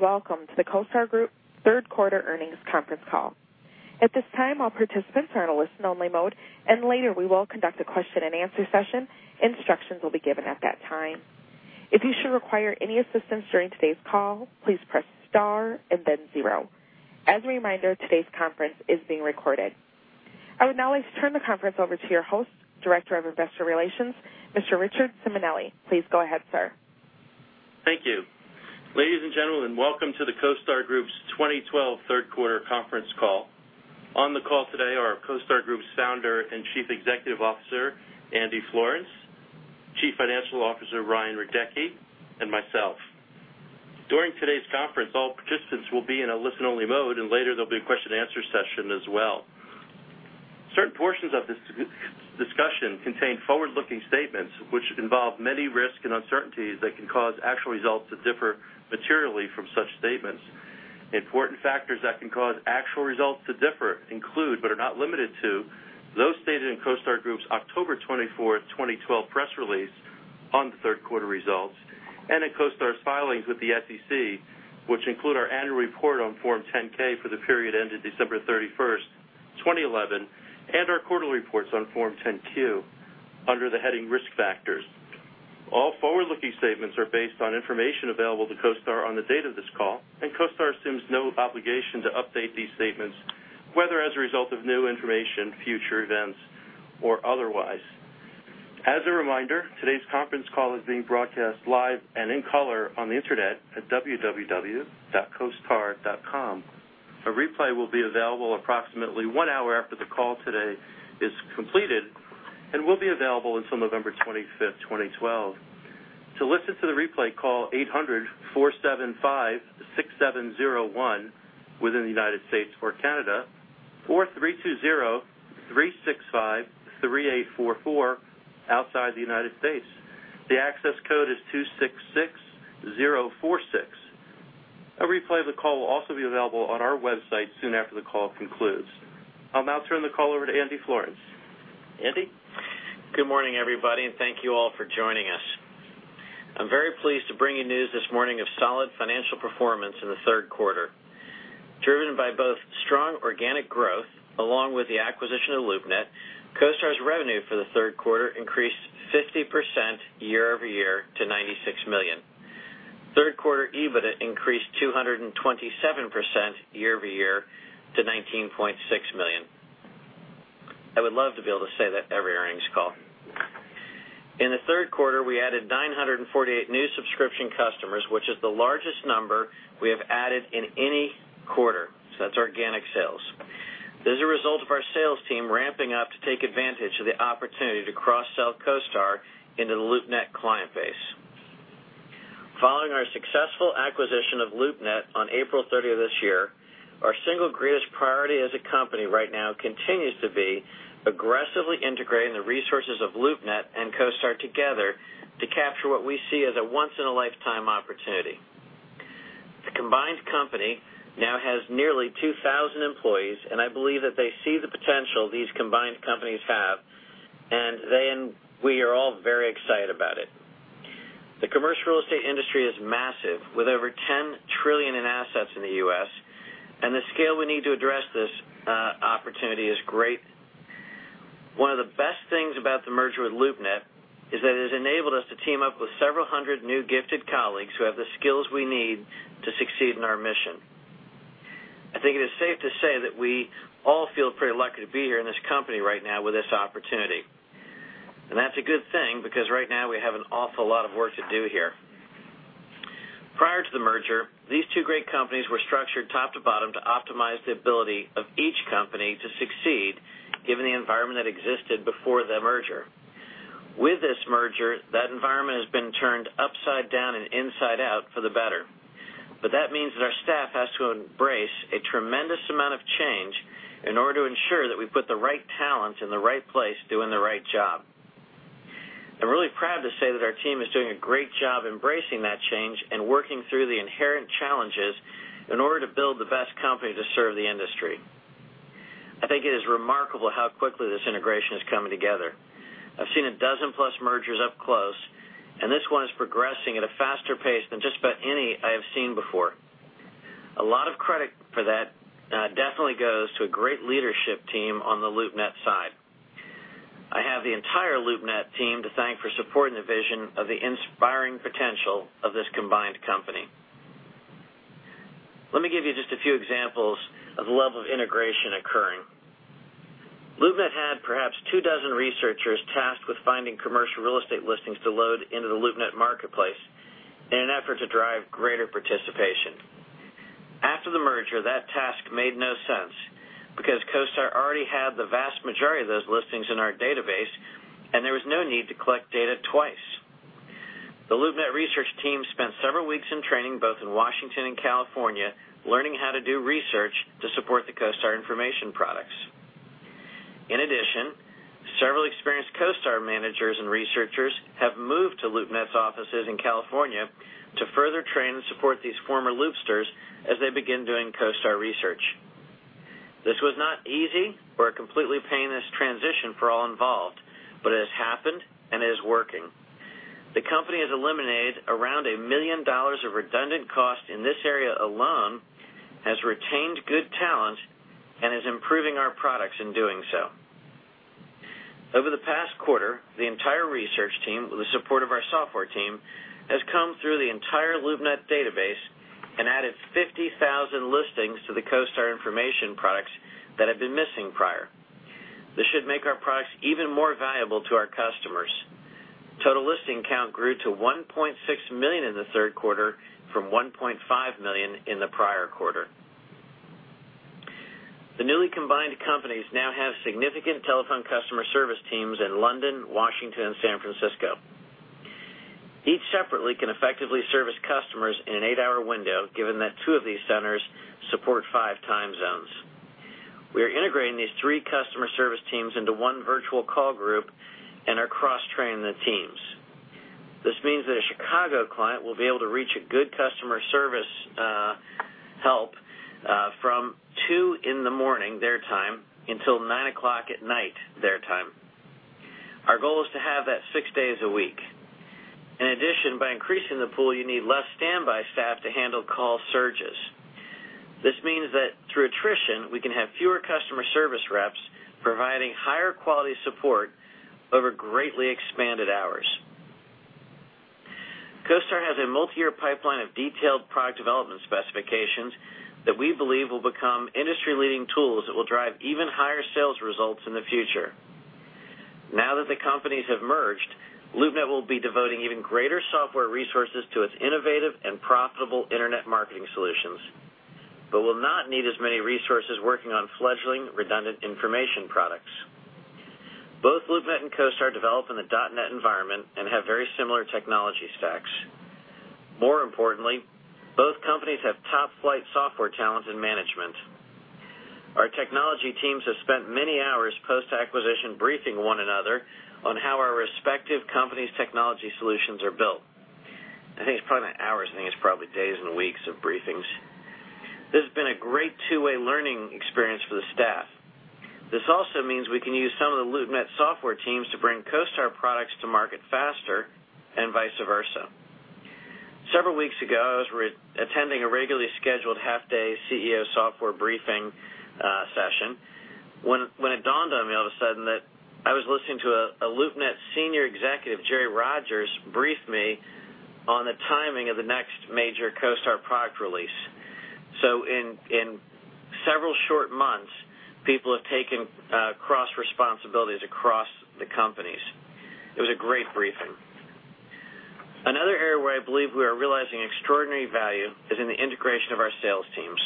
Welcome to the CoStar Group third quarter earnings conference call. At this time, all participants are in a listen-only mode, and later we will conduct a question-and-answer session. Instructions will be given at that time. If you should require any assistance during today's call, please press star and then zero. As a reminder, today's conference is being recorded. I would now like to turn the conference over to your host, Director of Investor Relations, Mr. Richard Simonelli. Please go ahead, sir. Thank you. Ladies and gentlemen, welcome to the CoStar Group's 2012 third quarter conference call. On the call today are CoStar Group's Founder and Chief Executive Officer, Andy Florance, Chief Financial Officer, Brian Radecki, and myself. During today's conference, all participants will be in a listen-only mode, and later there'll be a question-and-answer session as well. Certain portions of this discussion contain forward-looking statements, which involve many risks and uncertainties that can cause actual results to differ materially from such statements. Important factors that can cause actual results to differ include, but are not limited to, those stated in CoStar Group's October 24, 2012, press release on the third quarter results and in CoStar's filings with the SEC, which include our annual report on Form 10-K for the period ending December 31st, 2011, and our quarterly reports on Form 10-Q under the heading Risk Factors. All forward-looking statements are based on information available to CoStar on the date of this call, and CoStar assumes no obligation to update these statements, whether as a result of new information, future events, or otherwise. As a reminder, today's conference call is being broadcast live and in color on the internet at www.costar.com. A replay will be available approximately one hour after the call today is completed and will be available until November 25th, 2012. To listen to the replay, call 800-475-6701 within the United States or Canada, or 320-365-3844 outside the United States. The access code is 266046. A replay of the call will also be available on our website soon after the call concludes. I'll now turn the call over to Andy Florance. Andy? Good morning, everybody, and thank you all for joining us. I'm very pleased to bring you news this morning of solid financial performance in the third quarter. Driven by both strong organic growth along with the acquisition of LoopNet, CoStar's revenue for the third quarter increased 50% year-over-year to $96 million. Third-quarter EBITDA increased 227% year-over-year to $19.6 million. I would love to be able to say that every earnings call. In the third quarter, we added 948 new subscription customers, which is the largest number we have added in any quarter. That's organic sales. This is a result of our sales team ramping up to take advantage of the opportunity to cross-sell CoStar into the LoopNet client base. Following our successful acquisition of LoopNet on April 30 of this year, our single greatest priority as a company right now continues to be aggressively integrating the resources of LoopNet and CoStar together to capture what we see as a once-in-a-lifetime opportunity. The combined company now has nearly 2,000 employees, and I believe that they see the potential these combined companies have, and they and we are all very excited about it. The commercial real estate industry is massive, with over $10 trillion in assets in the U.S., and the scale we need to address this opportunity is great. One of the best things about the merger with LoopNet is that it has enabled us to team up with several hundred new gifted colleagues who have the skills we need to succeed in our mission. I think it is safe to say that we all feel pretty lucky to be here in this company right now with this opportunity. That's a good thing because right now we have an awful lot of work to do here. Prior to the merger, these two great companies were structured top to bottom to optimize the ability of each company to succeed, given the environment that existed before the merger. With this merger, that environment has been turned upside down and inside out for the better. That means that our staff has to embrace a tremendous amount of change in order to ensure that we put the right talent in the right place, doing the right job. I'm really proud to say that our team is doing a great job embracing that change and working through the inherent challenges in order to build the best company to serve the industry. I think it is remarkable how quickly this integration is coming together. I've seen a dozen-plus mergers up close, and this one is progressing at a faster pace than just about any I have seen before. A lot of credit for that definitely goes to a great leadership team on the LoopNet side. I have the entire LoopNet team to thank for supporting the vision of the inspiring potential of this combined company. Let me give you just a few examples of the level of integration occurring. LoopNet had perhaps two dozen researchers tasked with finding commercial real estate listings to load into the LoopNet marketplace in an effort to drive greater participation. After the merger, that task made no sense because CoStar already had the vast majority of those listings in our database, and there was no need to collect data twice. The LoopNet research team spent several weeks in training, both in Washington and California, learning how to do research to support the CoStar information products. In addition, several experienced CoStar managers and researchers have moved to LoopNet's offices in California to further train and support these former Loopsters as they begin doing CoStar research. This was not easy. The company has eliminated around $1 million of redundant cost in this area alone, has retained good talent, and is improving our products in doing so. Over the past quarter, the entire research team, with the support of our software team, has combed through the entire LoopNet database and added 50,000 listings to the CoStar information products that had been missing prior. This should make our products even more valuable to our customers. Total listing count grew to 1.6 million in the third quarter from 1.6 million in the prior quarter. The newly combined companies now have significant telephone customer service teams in London, Washington, and San Francisco. Each separately can effectively service customers in an eight-hour window, given that two of these centers support five time zones. We are integrating these three customer service teams into one virtual call group and are cross-training the teams. This means that a Chicago client will be able to reach a good customer service help from 2:00 A.M. their time until 9:00 P.M. their time. Our goal is to have that six days a week. In addition, by increasing the pool, you need less standby staff to handle call surges. This means that through attrition, we can have fewer customer service reps providing higher quality support over greatly expanded hours. CoStar has a multi-year pipeline of detailed product development specifications that we believe will become industry-leading tools that will drive even higher sales results in the future. Now that the companies have merged, LoopNet will be devoting even greater software resources to its innovative and profitable internet marketing solutions but will not need as many resources working on fledgling redundant information products. Both LoopNet and CoStar develop in the .NET environment and have very similar technology stacks. More importantly, both companies have top-flight software talent and management. Our technology teams have spent many hours post-acquisition briefing one another on how our respective company's technology solutions are built. I think it's probably not hours. I think it's probably days and weeks of briefings. This has been a great two-way learning experience for the staff. This also means we can use some of the LoopNet software teams to bring CoStar products to market faster and vice versa. Several weeks ago, I was attending a regularly scheduled half-day CEO software briefing session when it dawned on me all of a sudden that I was listening to a LoopNet senior executive, Jerry Rogers, brief me on the timing of the next major CoStar product release. In several short months, people have taken cross-responsibilities across the companies. It was a great briefing. Another area where I believe we are realizing extraordinary value is in the integration of our sales teams.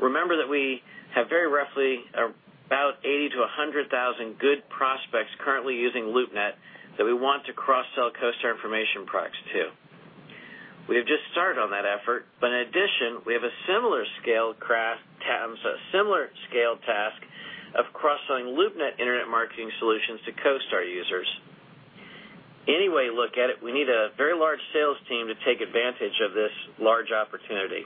Remember that we have very roughly about 80,000 to 100,000 good prospects currently using LoopNet that we want to cross-sell CoStar information products to. We have just started on that effort, but in addition, we have a similar scale task of cross-selling LoopNet internet marketing solutions to CoStar users. Any way you look at it, we need a very large sales team to take advantage of this large opportunity.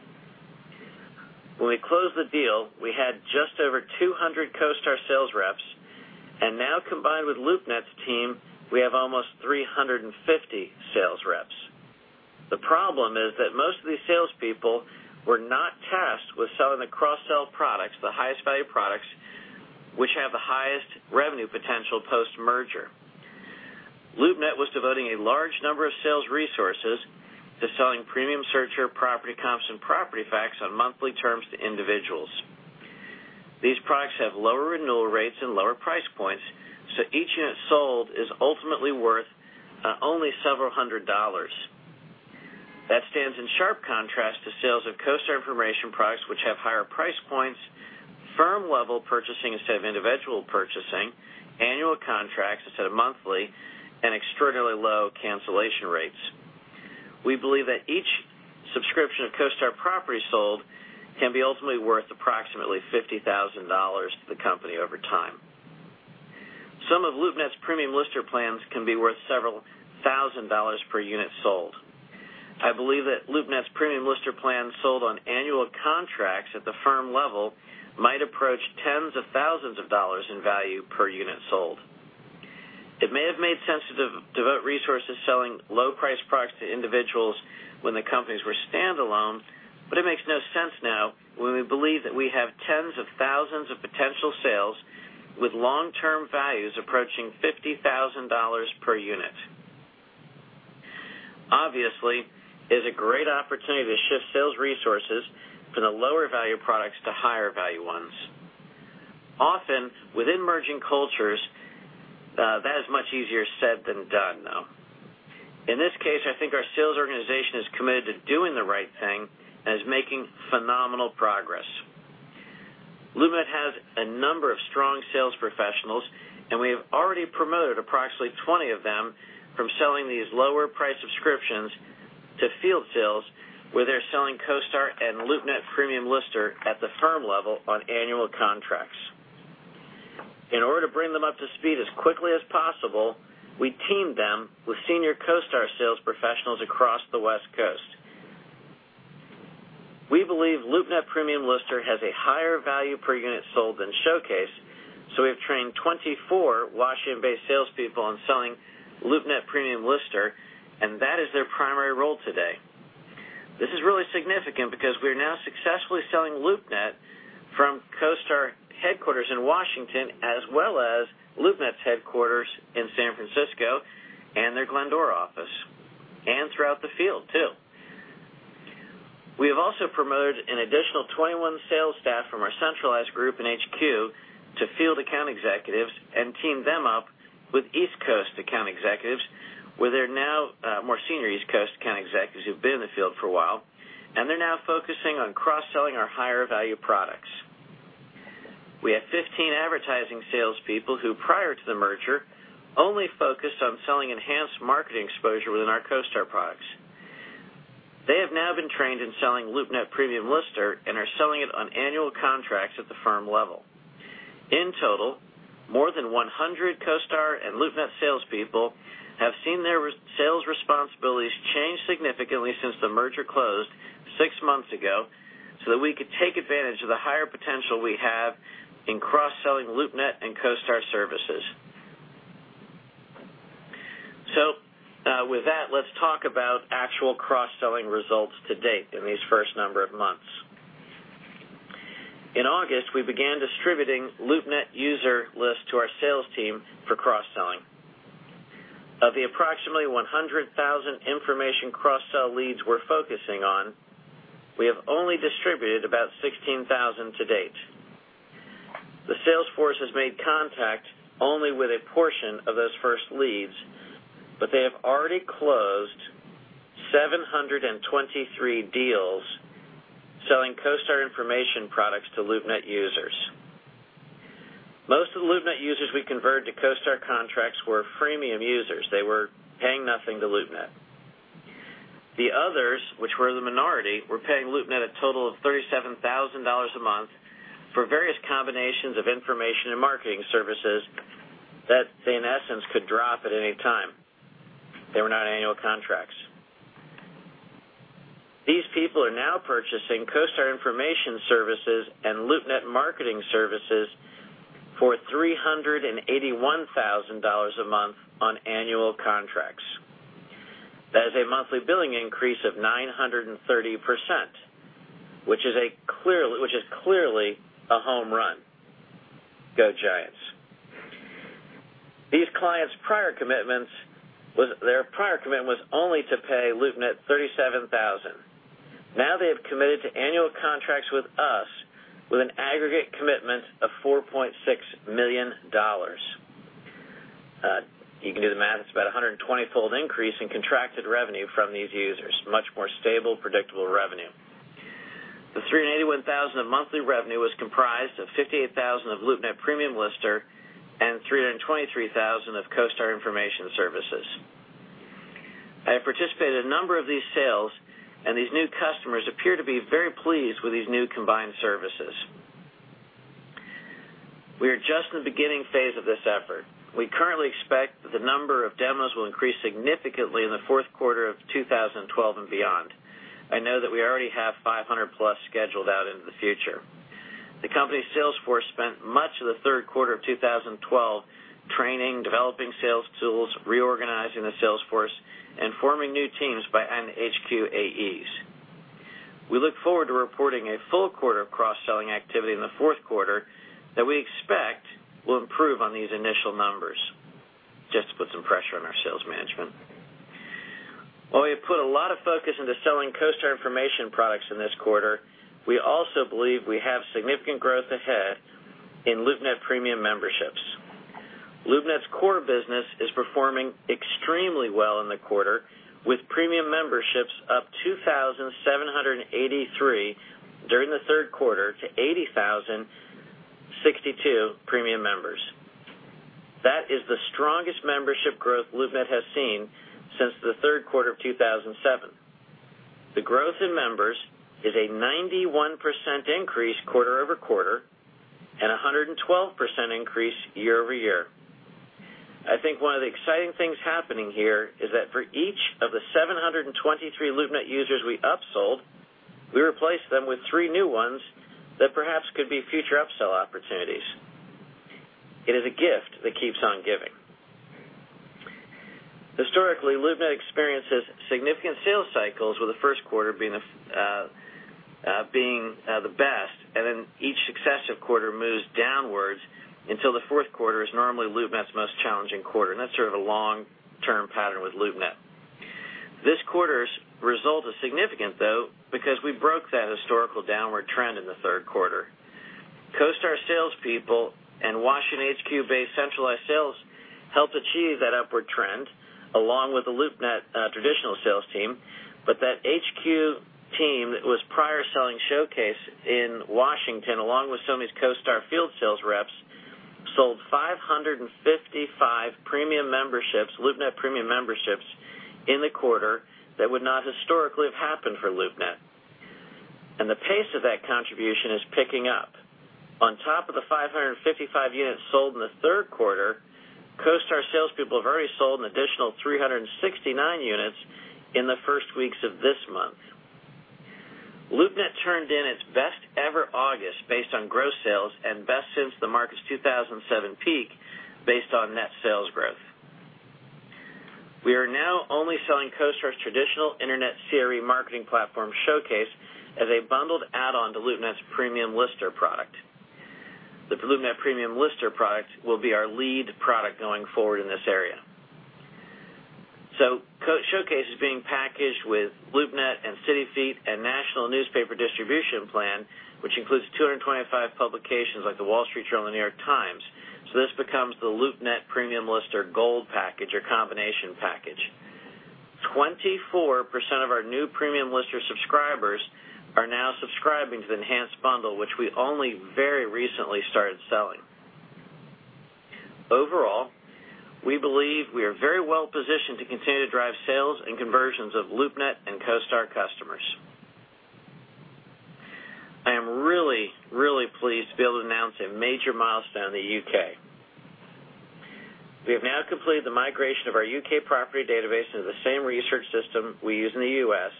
When we closed the deal, we had just over 200 CoStar sales reps, and now combined with LoopNet's team, we have almost 350 sales reps. The problem is that most of these salespeople were not tasked with selling the cross-sell products, the highest value products, which have the highest revenue potential post-merger. LoopNet was devoting a large number of sales resources to selling Premium Searcher property comps and Property Facts on monthly terms to individuals. These products have lower renewal rates and lower price points. Each unit sold is ultimately worth only several hundred dollars. That stands in sharp contrast to sales of CoStar information products, which have higher price points, firm-level purchasing instead of individual purchasing, annual contracts instead of monthly, and extraordinarily low cancellation rates. We believe that each subscription of CoStar Property sold can be ultimately worth approximately $50,000 to the company over time. Some of LoopNet's Premium Lister plans can be worth several thousand dollars per unit sold. I believe that LoopNet's Premium Lister plan sold on annual contracts at the firm level might approach tens of thousands of dollars in value per unit sold. It may have made sense to devote resources selling low-price products to individuals when the companies were standalone. It makes no sense now when we believe that we have tens of thousands of potential sales with long-term values approaching $50,000 per unit. Obviously, it is a great opportunity to shift sales resources from the lower value products to higher value ones. Often within merging cultures, that is much easier said than done, though. In this case, I think our sales organization is committed to doing the right thing and is making phenomenal progress. LoopNet has a number of strong sales professionals, and we have already promoted approximately 20 of them from selling these lower-priced subscriptions to field sales, where they're selling CoStar and LoopNet Premium Lister at the firm level on annual contracts. In order to bring them up to speed as quickly as possible, we teamed them with senior CoStar sales value per unit sold than Showcase. We have trained 24 Washington-based salespeople on selling LoopNet Premium Lister, and that is their primary role today. This is really significant because we are now successfully selling LoopNet from CoStar headquarters in Washington, as well as LoopNet's headquarters in San Francisco and their Glendora office, and throughout the field too. We have also promoted an additional 21 sales staff from our centralized group in HQ to field account executives and teamed them up with East Coast account executives, more senior East Coast account executives who've been in the field for a while, and they're now focusing on cross-selling our higher value products. We have 15 advertising salespeople who, prior to the merger, only focused on selling enhanced marketing exposure within our CoStar products. They have now been trained in selling LoopNet Premium Lister and are selling it on annual contracts at the firm level. In total, more than 100 CoStar and LoopNet salespeople have seen their sales responsibilities change significantly since the merger closed 6 months ago, that we could take advantage of the higher potential we have in cross-selling LoopNet and CoStar services. With that, let's talk about actual cross-selling results to date in these first number of months. In August, we began distributing LoopNet user lists to our sales team for cross-selling. Of the approximately 100,000 information cross-sell leads we're focusing on, we have only distributed about 16,000 to date. The sales force has made contact only with a portion of those first leads. They have already closed 723 deals selling CoStar information products to LoopNet users. Most of the LoopNet users we converted to CoStar contracts were freemium users. They were paying nothing to LoopNet. The others, which were the minority, were paying LoopNet a total of $37,000 a month for various combinations of information and marketing services that they, in essence, could drop at any time. They were not annual contracts. These people are now purchasing CoStar information services and LoopNet marketing services for $381,000 a month on annual contracts. That is a monthly billing increase of 930%, which is clearly a home run. Go Giants. These clients, their prior commitment was only to pay LoopNet $37,000. Now they have committed to annual contracts with us with an aggregate commitment of $4.6 million. You can do the math. It's about 120-fold increase in contracted revenue from these users. Much more stable, predictable revenue. The $381,000 of monthly revenue was comprised of $58,000 of LoopNet Premium Lister and $323,000 of CoStar information services. I have participated in a number of these sales, and these new customers appear to be very pleased with these new combined services. We are just in the beginning phase of this effort. We currently expect that the number of demos will increase significantly in the fourth quarter of 2012 and beyond. I know that we already have 500-plus scheduled out into the future. The company sales force spent much of the third quarter of 2012 training, developing sales tools, reorganizing the sales force, and forming new teams by end HQ AEs. We look forward to reporting a full quarter of cross-selling activity in the fourth quarter that we expect will improve on these initial numbers. Just to put some pressure on our sales management. While we have put a lot of focus into selling CoStar information products in this quarter, we also believe we have significant growth ahead in LoopNet premium memberships. LoopNet's core business is performing extremely well in the quarter, with premium memberships up 2,783 during the third quarter to 80,062 premium members. That is the strongest membership growth LoopNet has seen since the third quarter of 2007. The growth in members is a 91% increase quarter-over-quarter and 112% increase year-over-year. I think one of the exciting things happening here is that for each of the 723 LoopNet users we upsold, we replaced them with three new ones that perhaps could be future upsell opportunities. It is a gift that keeps on giving. Historically, LoopNet experiences significant sales cycles with the first quarter being the best, and then each successive quarter moves downwards until the fourth quarter is normally LoopNet's most challenging quarter, and that's sort of a long-term pattern with LoopNet. This quarter's result is significant, though, because we broke that historical downward trend in the third quarter. CoStar salespeople and Washington HQ-based centralized sales helped achieve that upward trend, along with the LoopNet traditional sales team. That HQ team that was prior selling CoStar Showcase in Washington, along with some of these CoStar field sales reps, sold 555 LoopNet premium memberships in the quarter that would not historically have happened for LoopNet. The pace of that contribution is picking up. On top of the 555 units sold in the third quarter, CoStar salespeople have already sold an additional 69 units in the first weeks of this month. LoopNet turned in its best ever August based on gross sales and best since the market's 2007 peak based on net sales growth. We are now only selling CoStar's traditional internet CRE marketing platform, CoStar Showcase, as a bundled add-on to LoopNet's Premium Lister product. The LoopNet Premium Lister product will be our lead product going forward in this area. CoStar Showcase is being packaged with LoopNet and CityFeet and National Newspaper Distribution Plan, which includes 225 publications like The Wall Street Journal and The New York Times. This becomes the LoopNet Premium Lister Gold package or combination package. 24% of our new Premium Lister subscribers are now subscribing to the enhanced bundle, which we only very recently started selling. Overall, we believe we are very well positioned to continue to drive sales and conversions of LoopNet and CoStar customers. I am really, really pleased to be able to announce a major milestone in the U.K. We have now completed the migration of our U.K. property database into the same research system we use in the U.S.,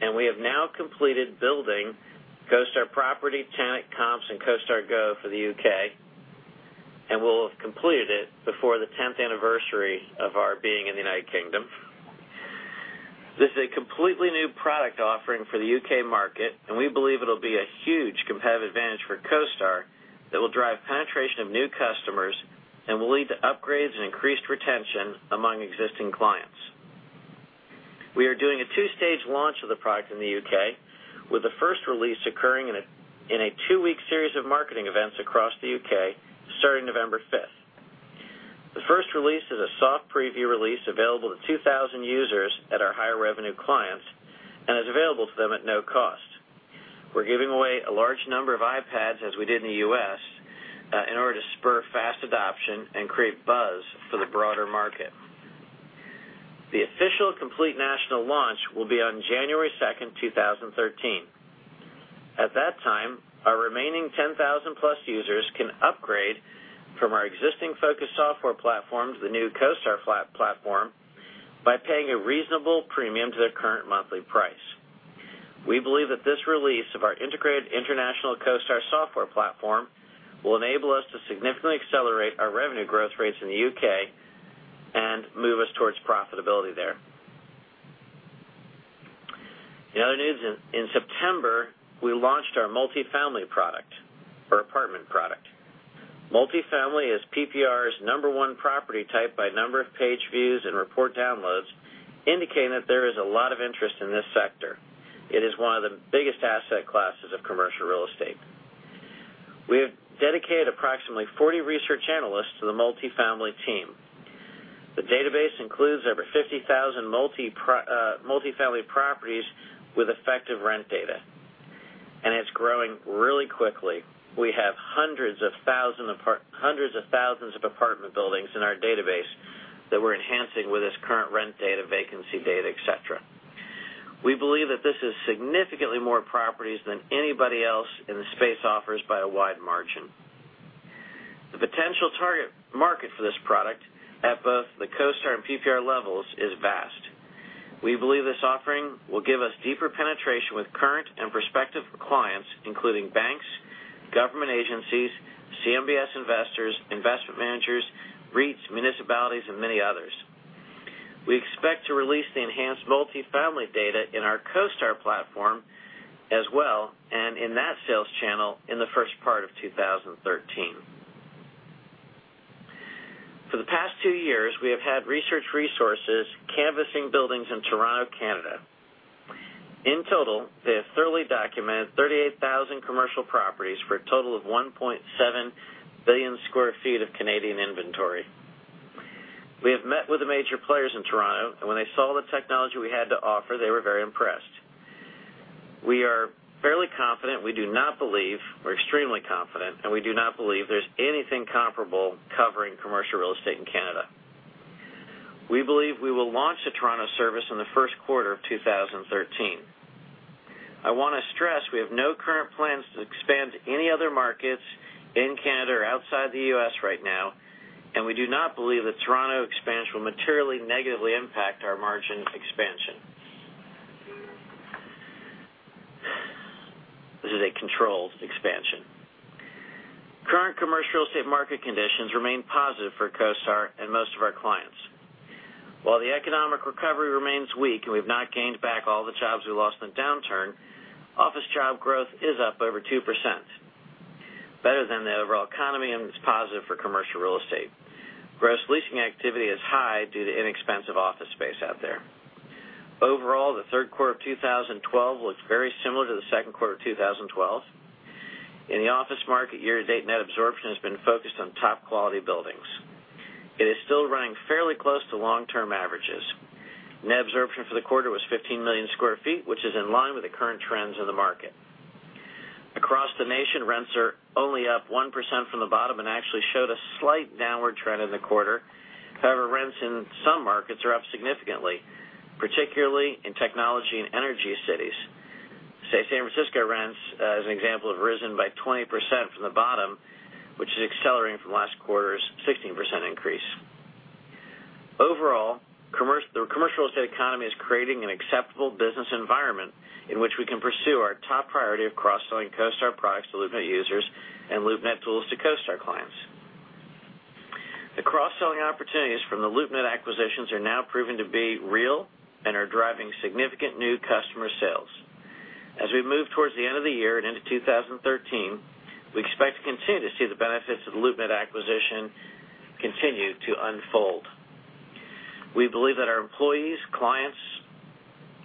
and we have now completed building CoStar Property, Tenant comps, and CoStar Go for the U.K., and will have completed it before the 10th anniversary of our being in the U.K. This is a completely new product offering for the U.K. market, and we believe it'll be a huge competitive advantage for CoStar that will drive penetration of new customers and will lead to upgrades and increased retention among existing clients. We are doing a 2-stage launch of the product in the U.K., with the first release occurring in a two-week series of marketing events across the U.K. starting November 5th. The first release is a soft preview release available to 2,000 users at our higher revenue clients and is available to them at no cost. We're giving away a large number of iPads, as we did in the U.S., in order to spur fast adoption and create buzz for the broader market. The official complete national launch will be on January 2nd, 2013. At that time, our remaining 10,000-plus users can upgrade from our existing FOCUS software platform to the new CoStar platform by paying a reasonable premium to their current monthly price. We believe that this release of our integrated international CoStar software platform will enable us to significantly accelerate our revenue growth rates in the U.K. and move us towards profitability there. In other news, in September, we launched our multifamily product or apartment product. Multifamily is PPR's number 1 property type by number of page views and report downloads, indicating that there is a lot of interest in this sector. It is one of the biggest asset classes of commercial real estate. We have dedicated approximately 40 research analysts to the multifamily team. The database includes over 50,000 multifamily properties with effective rent data, and it's growing really quickly. We have hundreds of thousands of apartment buildings in our database that we're enhancing with this current rent data, vacancy data, et cetera. We believe that this is significantly more properties than anybody else in the space offers by a wide margin. The potential target market for this product at both the CoStar and PPR levels is vast. We believe this offering will give us deeper penetration with current and prospective clients, including banks, government agencies, CMBS investors, investment managers, REITs, municipalities, and many others. We expect to release the enhanced multifamily data in our CoStar platform as well, in that sales channel in the first part of 2013. For the past two years, we have had research resources canvassing buildings in Toronto, Canada. In total, they have thoroughly documented 38,000 commercial properties for a total of 1.7 billion square feet of Canadian inventory. We have met with the major players in Toronto, and when they saw the technology we had to offer, they were very impressed. We are fairly confident. We're extremely confident, and we do not believe there's anything comparable covering commercial real estate in Canada. We believe we will launch the Toronto service in the first quarter of 2013. I want to stress we have no current plans to expand to any other markets in Canada or outside the U.S. right now, and we do not believe the Toronto expansion will materially negatively impact our margin expansion. This is a controlled expansion. Current commercial real estate market conditions remain positive for CoStar and most of our clients. While the economic recovery remains weak and we've not gained back all the jobs we lost in the downturn, office job growth is up over 2%, better than the overall economy, and it's positive for commercial real estate. Gross leasing activity is high due to inexpensive office space out there. Overall, the third quarter of 2012 looks very similar to the second quarter of 2012. In the office market, year-to-date net absorption has been focused on top-quality buildings. It is still running fairly close to long-term averages. Net absorption for the quarter was 15 million square feet, which is in line with the current trends in the market. Across the nation, rents are only up 1% from the bottom and actually showed a slight downward trend in the quarter. However, rents in some markets are up significantly, particularly in technology and energy cities. Say, San Francisco rents, as an example, have risen by 20% From last quarter's 16% increase. Overall, the commercial real estate economy is creating an acceptable business environment in which we can pursue our top priority of cross-selling CoStar products to LoopNet users and LoopNet tools to CoStar clients. The cross-selling opportunities from the LoopNet acquisitions are now proven to be real and are driving significant new customer sales. We move towards the end of the year and into 2013, we expect to continue to see the benefits of the LoopNet acquisition continue to unfold. We believe that our employees, clients,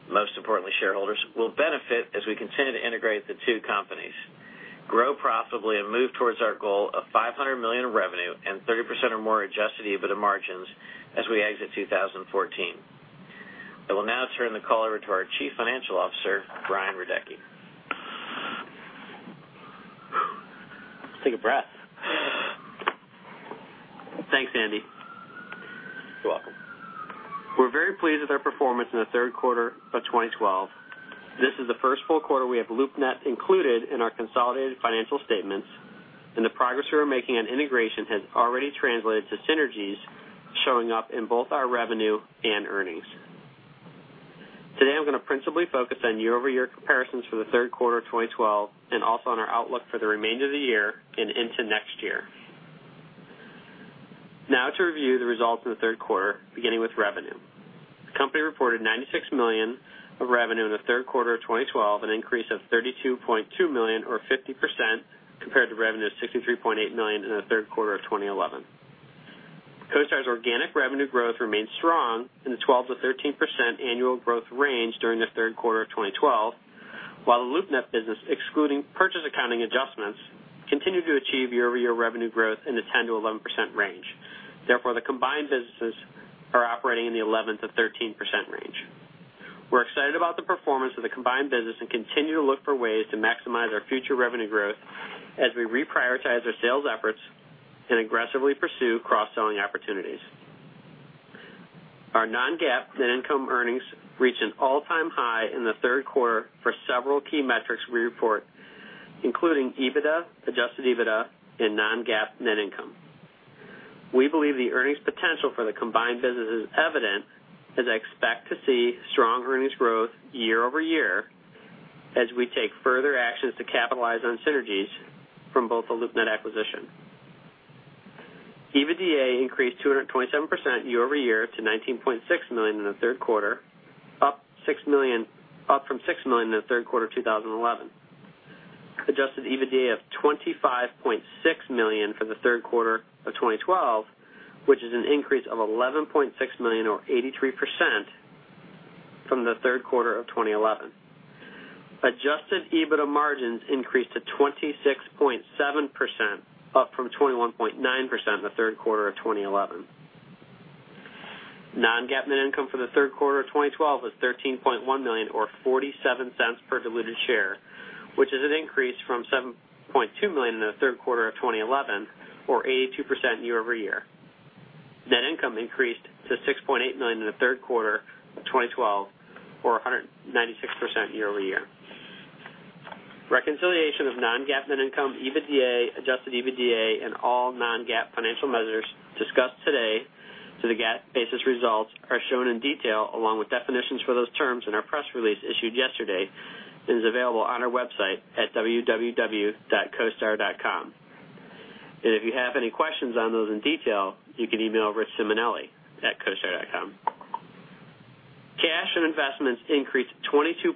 most importantly, shareholders, will benefit as we continue to integrate the two companies, grow profitably, and move towards our goal of $500 million of revenue and 30% or more adjusted EBITDA margins as we exit 2014. I will now turn the call over to our Chief Financial Officer, Brian Radecki. Take a breath. Thanks, Andy. You're welcome. We're very pleased with our performance in the third quarter of 2012. This is the first full quarter we have LoopNet included in our consolidated financial statements. The progress we are making on integration has already translated to synergies showing up in both our revenue and earnings. Today, I'm going to principally focus on year-over-year comparisons for the third quarter of 2012, and also on our outlook for the remainder of the year and into next year. To review the results in the third quarter, beginning with revenue. The company reported $96 million of revenue in the third quarter of 2012, an increase of $32.2 million or 50% compared to revenue of $63.8 million in the third quarter of 2011. CoStar's organic revenue growth remained strong in the 12%-13% annual growth range during the third quarter of 2012, while the LoopNet business, excluding purchase accounting adjustments, continued to achieve year-over-year revenue growth in the 10%-11% range. The combined businesses are operating in the 11%-13% range. We're excited about the performance of the combined business and continue to look for ways to maximize our future revenue growth as we reprioritize our sales efforts and aggressively pursue cross-selling opportunities. Our non-GAAP net income earnings reached an all-time high in the third quarter for several key metrics we report, including EBITDA, adjusted EBITDA, and non-GAAP net income. We believe the earnings potential for the combined business is evident as I expect to see strong earnings growth year-over-year as we take further actions to capitalize on synergies from both the LoopNet acquisition. EBITDA increased 227% year-over-year to $19.6 million in the third quarter, up from $6 million in the third quarter of 2011. Adjusted EBITDA of $25.6 million for the third quarter of 2012, which is an increase of $11.6 million or 83% from the third quarter of 2011. Adjusted EBITDA margins increased to 26.7%, up from 21.9% in the third quarter of 2011. Non-GAAP net income for the third quarter of 2012 was $13.1 million or $0.47 per diluted share, which is an increase from $7.2 million in the third quarter of 2011, or 82% year-over-year. Net income increased to $6.8 million in the third quarter of 2012 or 196% year-over-year. Reconciliation of non-GAAP net income, EBITDA, adjusted EBITDA, and all non-GAAP financial measures discussed today to the GAAP basis results are shown in detail, along with definitions for those terms in our press release issued yesterday and is available on our website at www.costar.com. If you have any questions on those in detail, you can email Rich Simonelli at costar.com. Cash and investments increased $22.7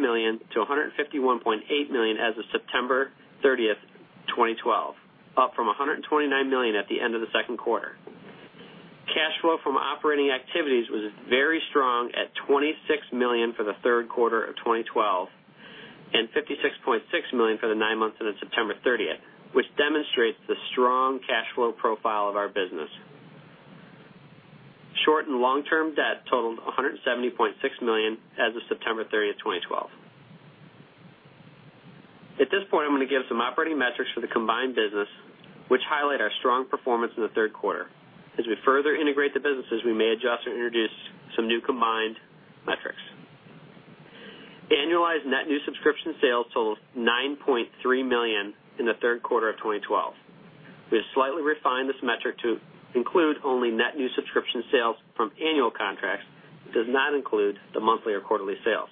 million to $151.8 million as of September 30th, 2012, up from $129 million at the end of the second quarter. Cash flow from operating activities was very strong at $26 million for the third quarter of 2012 and $56.6 million for the nine months ending September 30th, which demonstrates the strong cash flow profile of our business. Short and long-term debt totaled $170.6 million as of September 30, 2012. At this point, I'm going to give some operating metrics for the combined business, which highlight our strong performance in the third quarter. As we further integrate the businesses, we may adjust or introduce some new combined metrics. Annualized net new subscription sales totaled $9.3 million in the third quarter of 2012. We have slightly refined this metric to include only net new subscription sales from annual contracts. It does not include the monthly or quarterly sales.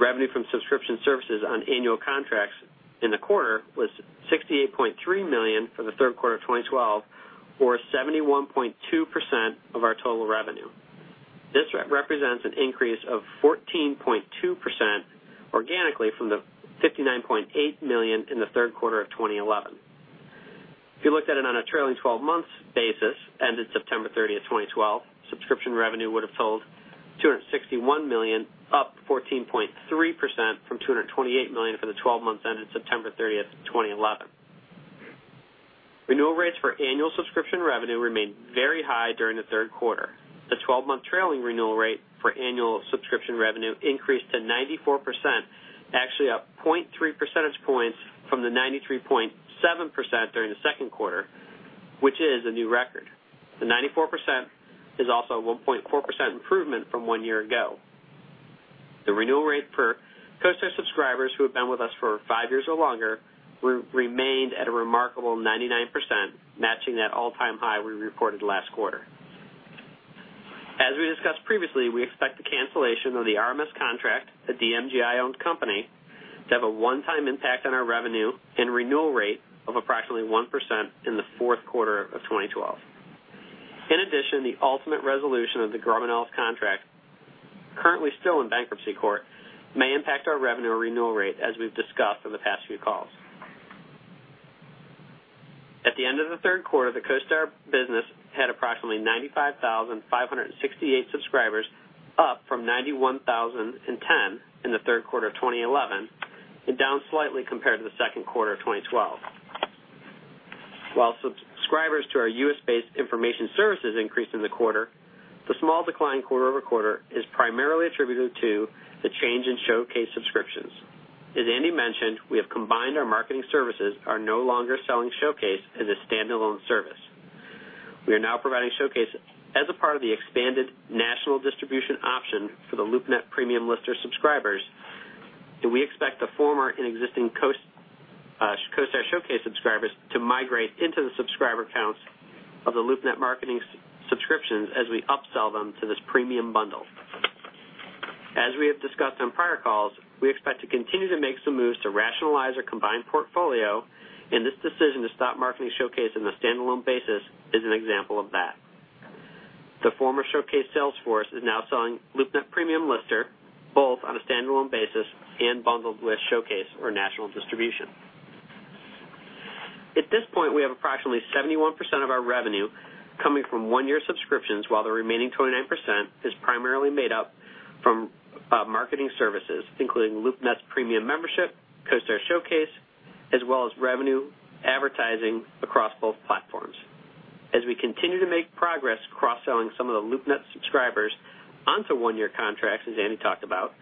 Revenue from subscription services on annual contracts in the quarter was $68.3 million for the third quarter of 2012 or 71.2% of our total revenue. This represents an increase of 14.2% organically from the $59.8 million in the third quarter of 2011. If you looked at it on a trailing 12 months basis ended September 30th, 2012, subscription revenue would have totaled $261 million, up 14.3% from $228 million for the 12 months ended September 30th, 2011. Renewal rates for annual subscription revenue remained very high during the third quarter. The 12-month trailing renewal rate for annual subscription revenue increased to 94%, actually up 0.3 percentage points from the 93.7% during the second quarter, which is a new record. The 94% is also a 1.4% improvement from one year ago. CoStar subscribers who have been with us for five years or longer remained at a remarkable 99%, matching that all-time high we reported last quarter. As we discussed previously, we expect the cancellation of the RMS at the MGI-owned company to have a one-time impact on our revenue and renewal rate of approximately 1% in the fourth quarter of 2012. In addition, the ultimate resolution of the ground and Alf contract, currently still in bankruptcy court, may impact our revenue renewal rate, as we've discussed on the past few calls. At the end of the third quarter, the CoStar business had approximately 95,568 subscribers, up from 91,010 in the third quarter of 2011, and down slightly compared to the second quarter of 2012. While subscribers to our U.S.-based information services increased in the quarter, the small decline quarter-over-quarter is primarily attributed to the change in CoStar Showcase subscriptions. As Andy mentioned, we have combined our marketing services are no longer selling CoStar Showcase as a standalone service. We are now providing CoStar Showcase as a part of the expanded national distribution option for the LoopNet Premium Lister subscribers, and we expect the former and existing CoStar Showcase subscribers to migrate into the subscriber counts of the LoopNet marketing subscriptions as we upsell them to this premium bundle. As we have discussed on prior calls, we expect to continue to make some moves to rationalize our combined portfolio, and this decision to stop marketing CoStar Showcase on a standalone basis is an example of that. The former CoStar Showcase sales force is now selling LoopNet Premium Lister, both on a standalone basis and bundled with CoStar Showcase or national distribution. At this point, we have approximately 71% of our revenue coming from one-year subscriptions, while the remaining 29% is primarily made up from marketing services, including LoopNet's premium membership, CoStar Showcase, as well as revenue advertising across both platforms. As we continue to make progress cross-selling some of the LoopNet subscribers onto one-year contracts, as Andy talked about,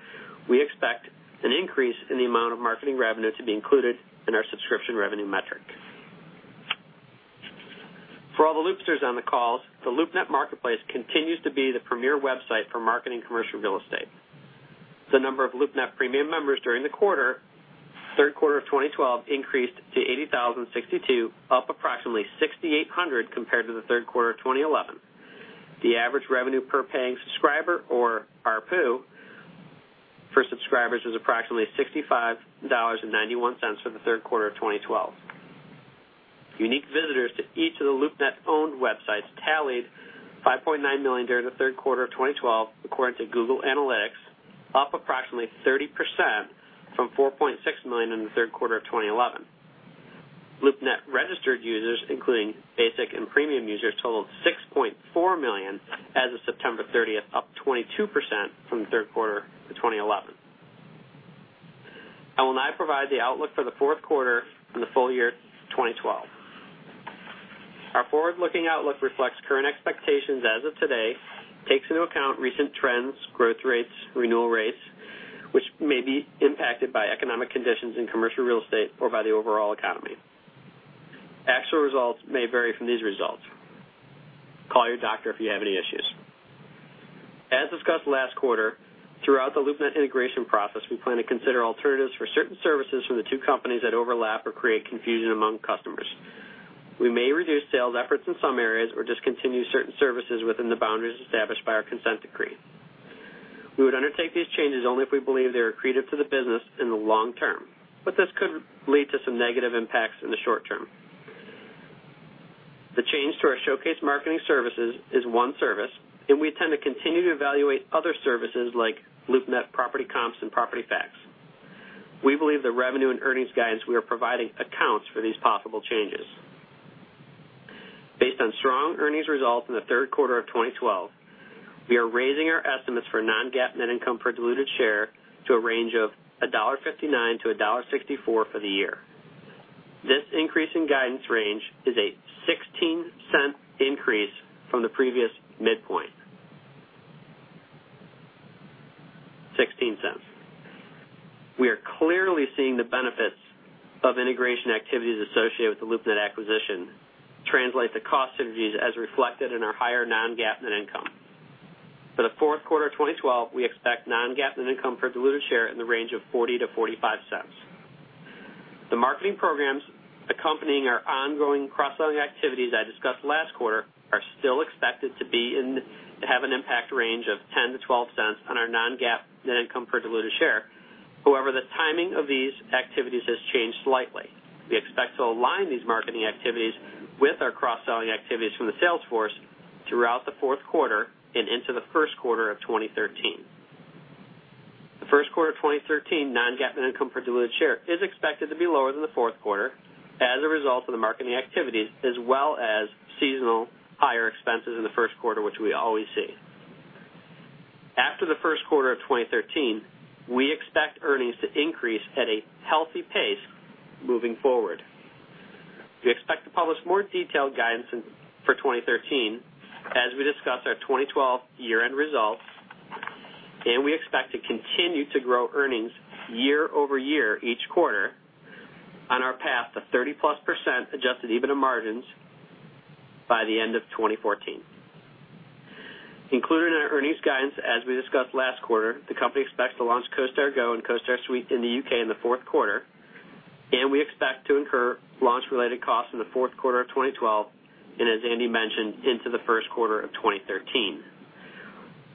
we expect an increase in the amount of marketing revenue to be included in our subscription revenue metric. For all the Loopsters on the call, the LoopNet marketplace continues to be the premier website for marketing commercial real estate. The number of LoopNet premium members during the third quarter of 2012 increased to 80,062, up approximately 6,800 compared to the third quarter of 2011. The average revenue per paying subscriber or ARPU for subscribers was approximately $65.91 for the third quarter of 2012. Unique visitors to each of the LoopNet-owned websites tallied 5.9 million during the third quarter of 2012, according to Google Analytics, up approximately 30% from 4.6 million in the third quarter of 2011. LoopNet registered users, including basic and premium users, totaled 6.4 million as of September 30th, up 22% from the third quarter of 2011. I will now provide the outlook for the fourth quarter and the full year 2012. Our forward-looking outlook reflects current expectations as of today, takes into account recent trends, growth rates, renewal rates, which may be impacted by economic conditions in commercial real estate or by the overall economy. Actual results may vary from these results. Call your doctor if you have any issues. As discussed last quarter, throughout the LoopNet integration process, we plan to consider alternatives for certain services from the two companies that overlap or create confusion among customers. We may reduce sales efforts in some areas or discontinue certain services within the boundaries established by our consent decree. We would undertake these changes only if we believe they are accretive to the business in the long term, but this could lead to some negative impacts in the short term. The change to our CoStar Showcase marketing services is one service, and we intend to continue to evaluate other services like LoopNet Property Comps and Property Facts. We believe the revenue and earnings guidance we are providing accounts for these possible changes. Based on strong earnings results in the third quarter of 2012, we are raising our estimates for non-GAAP net income per diluted share to a range of $1.59-$1.64 for the year. This increase in guidance range is a $0.16 increase from the previous midpoint. $0.16. We are clearly seeing the benefits of integration activities associated with the LoopNet acquisition translate to cost synergies as reflected in our higher non-GAAP net income. For the fourth quarter of 2012, we expect non-GAAP net income per diluted share in the range of $0.40-$0.45. The marketing programs accompanying our ongoing cross-selling activities I discussed last quarter are still expected to have an impact range of $0.10-$0.12 on our non-GAAP net income per diluted share. However, the timing of these activities has changed slightly. We expect to align these marketing activities with our cross-selling activities from the sales force throughout the fourth quarter and into the first quarter of 2013. The first quarter 2013 non-GAAP net income per diluted share is expected to be lower than the fourth quarter as a result of the marketing activities as well as seasonal higher expenses in the first quarter, which we always see. After the first quarter of 2013, we expect earnings to increase at a healthy pace moving forward. We expect to publish more detailed guidance for 2013 as we discuss our 2012 year-end results, and we expect to continue to grow earnings year-over-year each quarter 30%+ adjusted EBITDA margins by the end of 2014. Included in our earnings guidance, as we discussed last quarter, the company expects to launch CoStar Go and CoStar Suite in the U.K. in the fourth quarter, and we expect to incur launch-related costs in the fourth quarter of 2012, and as Andy mentioned, into the first quarter of 2013.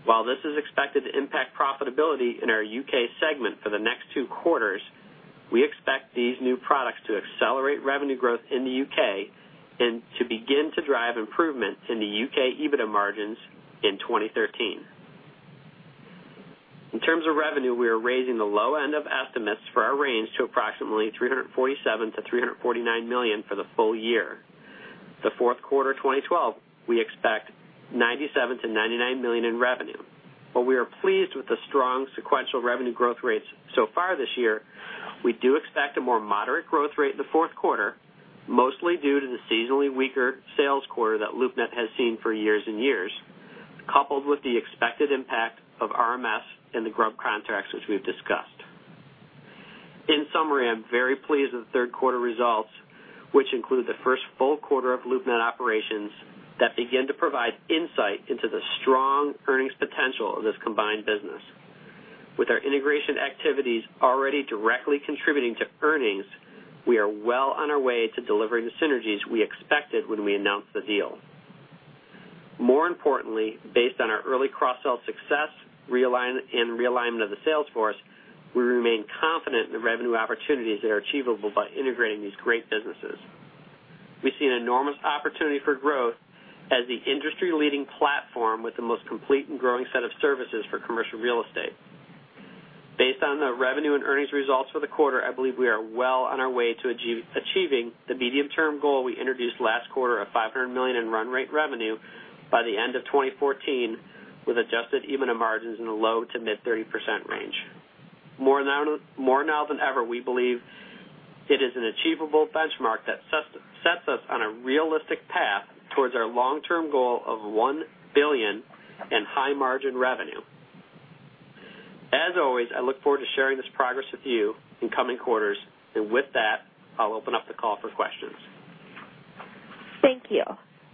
While this is expected to impact profitability in our U.K. segment for the next two quarters, we expect these new products to accelerate revenue growth in the U.K. and to begin to drive improvements in the U.K. EBITDA margins in 2013. In terms of revenue, we are raising the low end of estimates for our range to approximately $347 million-$349 million for the full year. The fourth quarter 2012, we expect $97 million-$99 million in revenue. While we are pleased with the strong sequential revenue growth rates so far this year, we do expect a more moderate growth rate in the fourth quarter, mostly due to the seasonally weaker sales quarter that LoopNet has seen for years and years, coupled with the expected impact of RMS and the Grubb contracts, which we've discussed. In summary, I'm very pleased with the third quarter results, which include the first full quarter of LoopNet operations that begin to provide insight into the strong earnings potential of this combined business. With our integration activities already directly contributing to earnings, we are well on our way to delivering the synergies we expected when we announced the deal. More importantly, based on our early cross-sell success and realignment of the sales force, we remain confident in the revenue opportunities that are achievable by integrating these great businesses. We see an enormous opportunity for growth as the industry-leading platform with the most complete and growing set of services for commercial real estate. Based on the revenue and earnings results for the quarter, I believe we are well on our way to achieving the medium-term goal we introduced last quarter of $500 million in run rate revenue by the end of 2014, with adjusted EBITDA margins in the low to mid 30% range. More now than ever, we believe it is an achievable benchmark that sets us on a realistic path towards our long-term goal of $1 billion in high-margin revenue. As always, I look forward to sharing this progress with you in coming quarters. With that, I'll open up the call for questions. Thank you.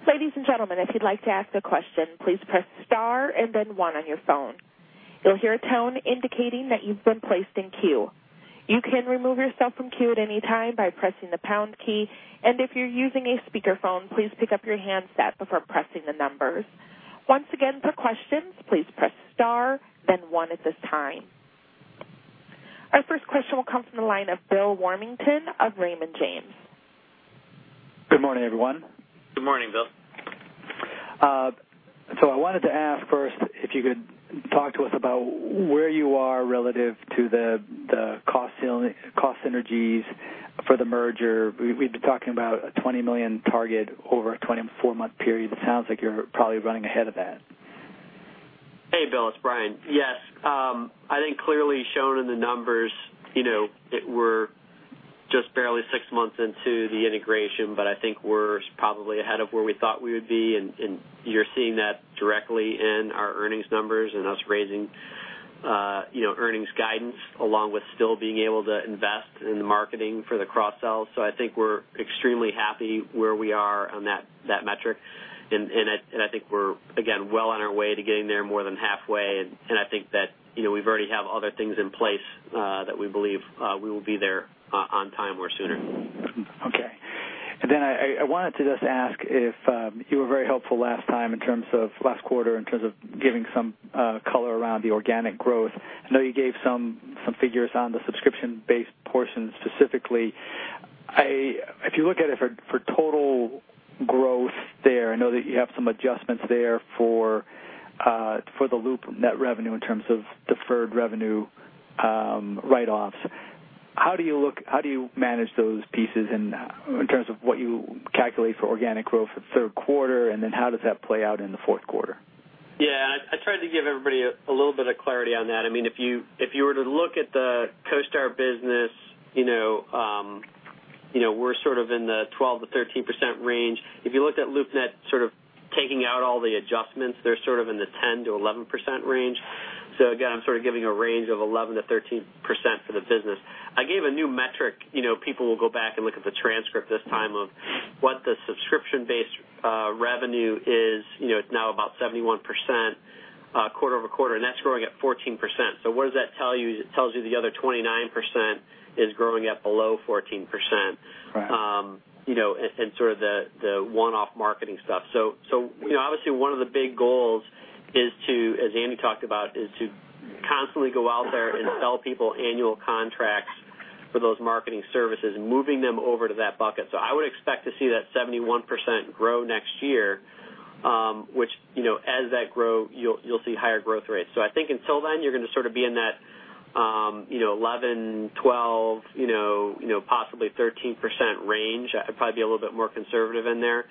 Ladies and gentlemen, if you'd like to ask a question, please press star and then one on your phone. You'll hear a tone indicating that you've been placed in queue. You can remove yourself from queue at any time by pressing the pound key. If you're using a speakerphone, please pick up your handset before pressing the numbers. Once again, for questions, please press star, then one at this time. Our first question will come from the line of Bill Warmington of Raymond James. Good morning, everyone. Good morning, Bill. I wanted to ask first if you could talk to us about where you are relative to the cost synergies for the merger. We've been talking about a $20 million target over a 24-month period. It sounds like you're probably running ahead of that. Hey, Bill, it's Brian. Yes. I think clearly shown in the numbers, we're just barely six months into the integration, but I think we're probably ahead of where we thought we would be, and you're seeing that directly in our earnings numbers and us raising earnings guidance, along with still being able to invest in the marketing for the cross-sells. I think we're extremely happy where we are on that metric. I think we're, again, well on our way to getting there more than halfway, and I think that we already have other things in place that we believe we will be there on time or sooner. Okay. I wanted to just ask, you were very helpful last time in terms of last quarter in terms of giving some color around the organic growth. I know you gave some figures on the subscription-based portion specifically. If you look at it for total growth there, I know that you have some adjustments there for the LoopNet revenue in terms of deferred revenue write-offs. How do you manage those pieces in terms of what you calculate for organic growth for third quarter, and then how does that play out in the fourth quarter? I tried to give everybody a little bit of clarity on that. If you were to look at the CoStar business, we're sort of in the 12%-13% range. If you looked at LoopNet, sort of taking out all the adjustments, they're sort of in the 10%-11% range. Again, I'm sort of giving a range of 11%-13% for the business. I gave a new metric. People will go back and look at the transcript this time of what the subscription-based revenue is. It's now about 71% quarter-over-quarter, and that's growing at 14%. What does that tell you? It tells you the other 29% is growing at below 14%. Right. Sort of the one-off marketing stuff. Obviously one of the big goals, as Andy talked about, is to constantly go out there and sell people annual contracts for those marketing services and moving them over to that bucket. I would expect to see that 71% grow next year, which as that grows, you'll see higher growth rates. I think until then, you're going to sort of be in that 11%, 12%, possibly 13% range. I'd probably be a little bit more conservative in there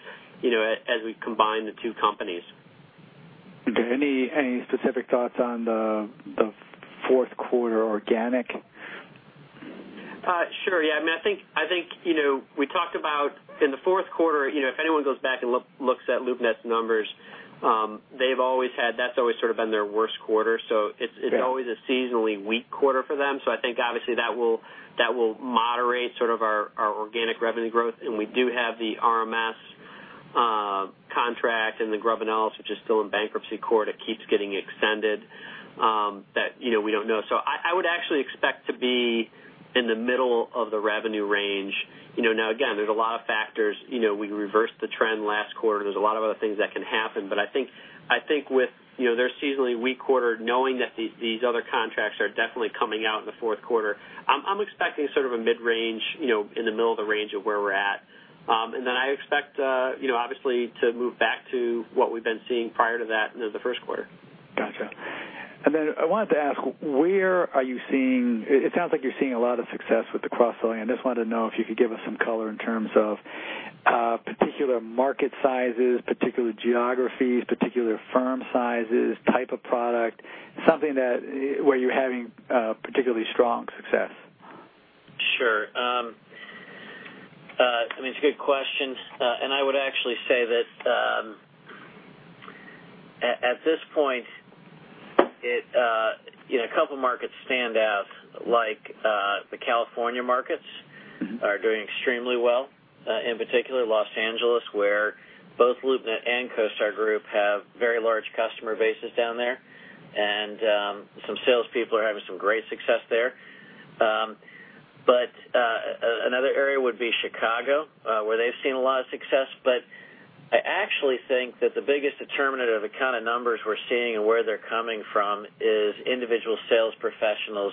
as we combine the two companies. Okay. Any specific thoughts on the fourth quarter organic? Sure. We talked about in the fourth quarter, if anyone goes back and looks at LoopNet's numbers They've always. That's always sort of been their worst quarter. Okay It's always a seasonally weak quarter for them. I think obviously that will moderate sort of our organic revenue growth. We do have the RMS contract and the Grubb & Ellis, which is still in bankruptcy court, it keeps getting extended, that we don't know. I would actually expect to be in the middle of the revenue range. Now again, there's a lot of factors. We reversed the trend last quarter. There's a lot of other things that can happen. I think with their seasonally weak quarter, knowing that these other contracts are definitely coming out in the fourth quarter, I'm expecting sort of a mid-range, in the middle of the range of where we're at. I expect, obviously, to move back to what we've been seeing prior to that into the first quarter. Got you. I wanted to ask, where are you seeing? It sounds like you're seeing a lot of success with the cross-selling. I just wanted to know if you could give us some color in terms of particular market sizes, particular geographies, particular firm sizes, type of product, something that, where you're having particularly strong success. Sure. I mean, it's a good question. I would actually say that, at this point, a couple markets stand out. The California markets. are doing extremely well. In particular, Los Angeles, where both LoopNet and CoStar Group have very large customer bases down there. Some salespeople are having some great success there. Another area would be Chicago, where they've seen a lot of success. I actually think that the biggest determinant of the kind of numbers we're seeing and where they're coming from is individual sales professionals'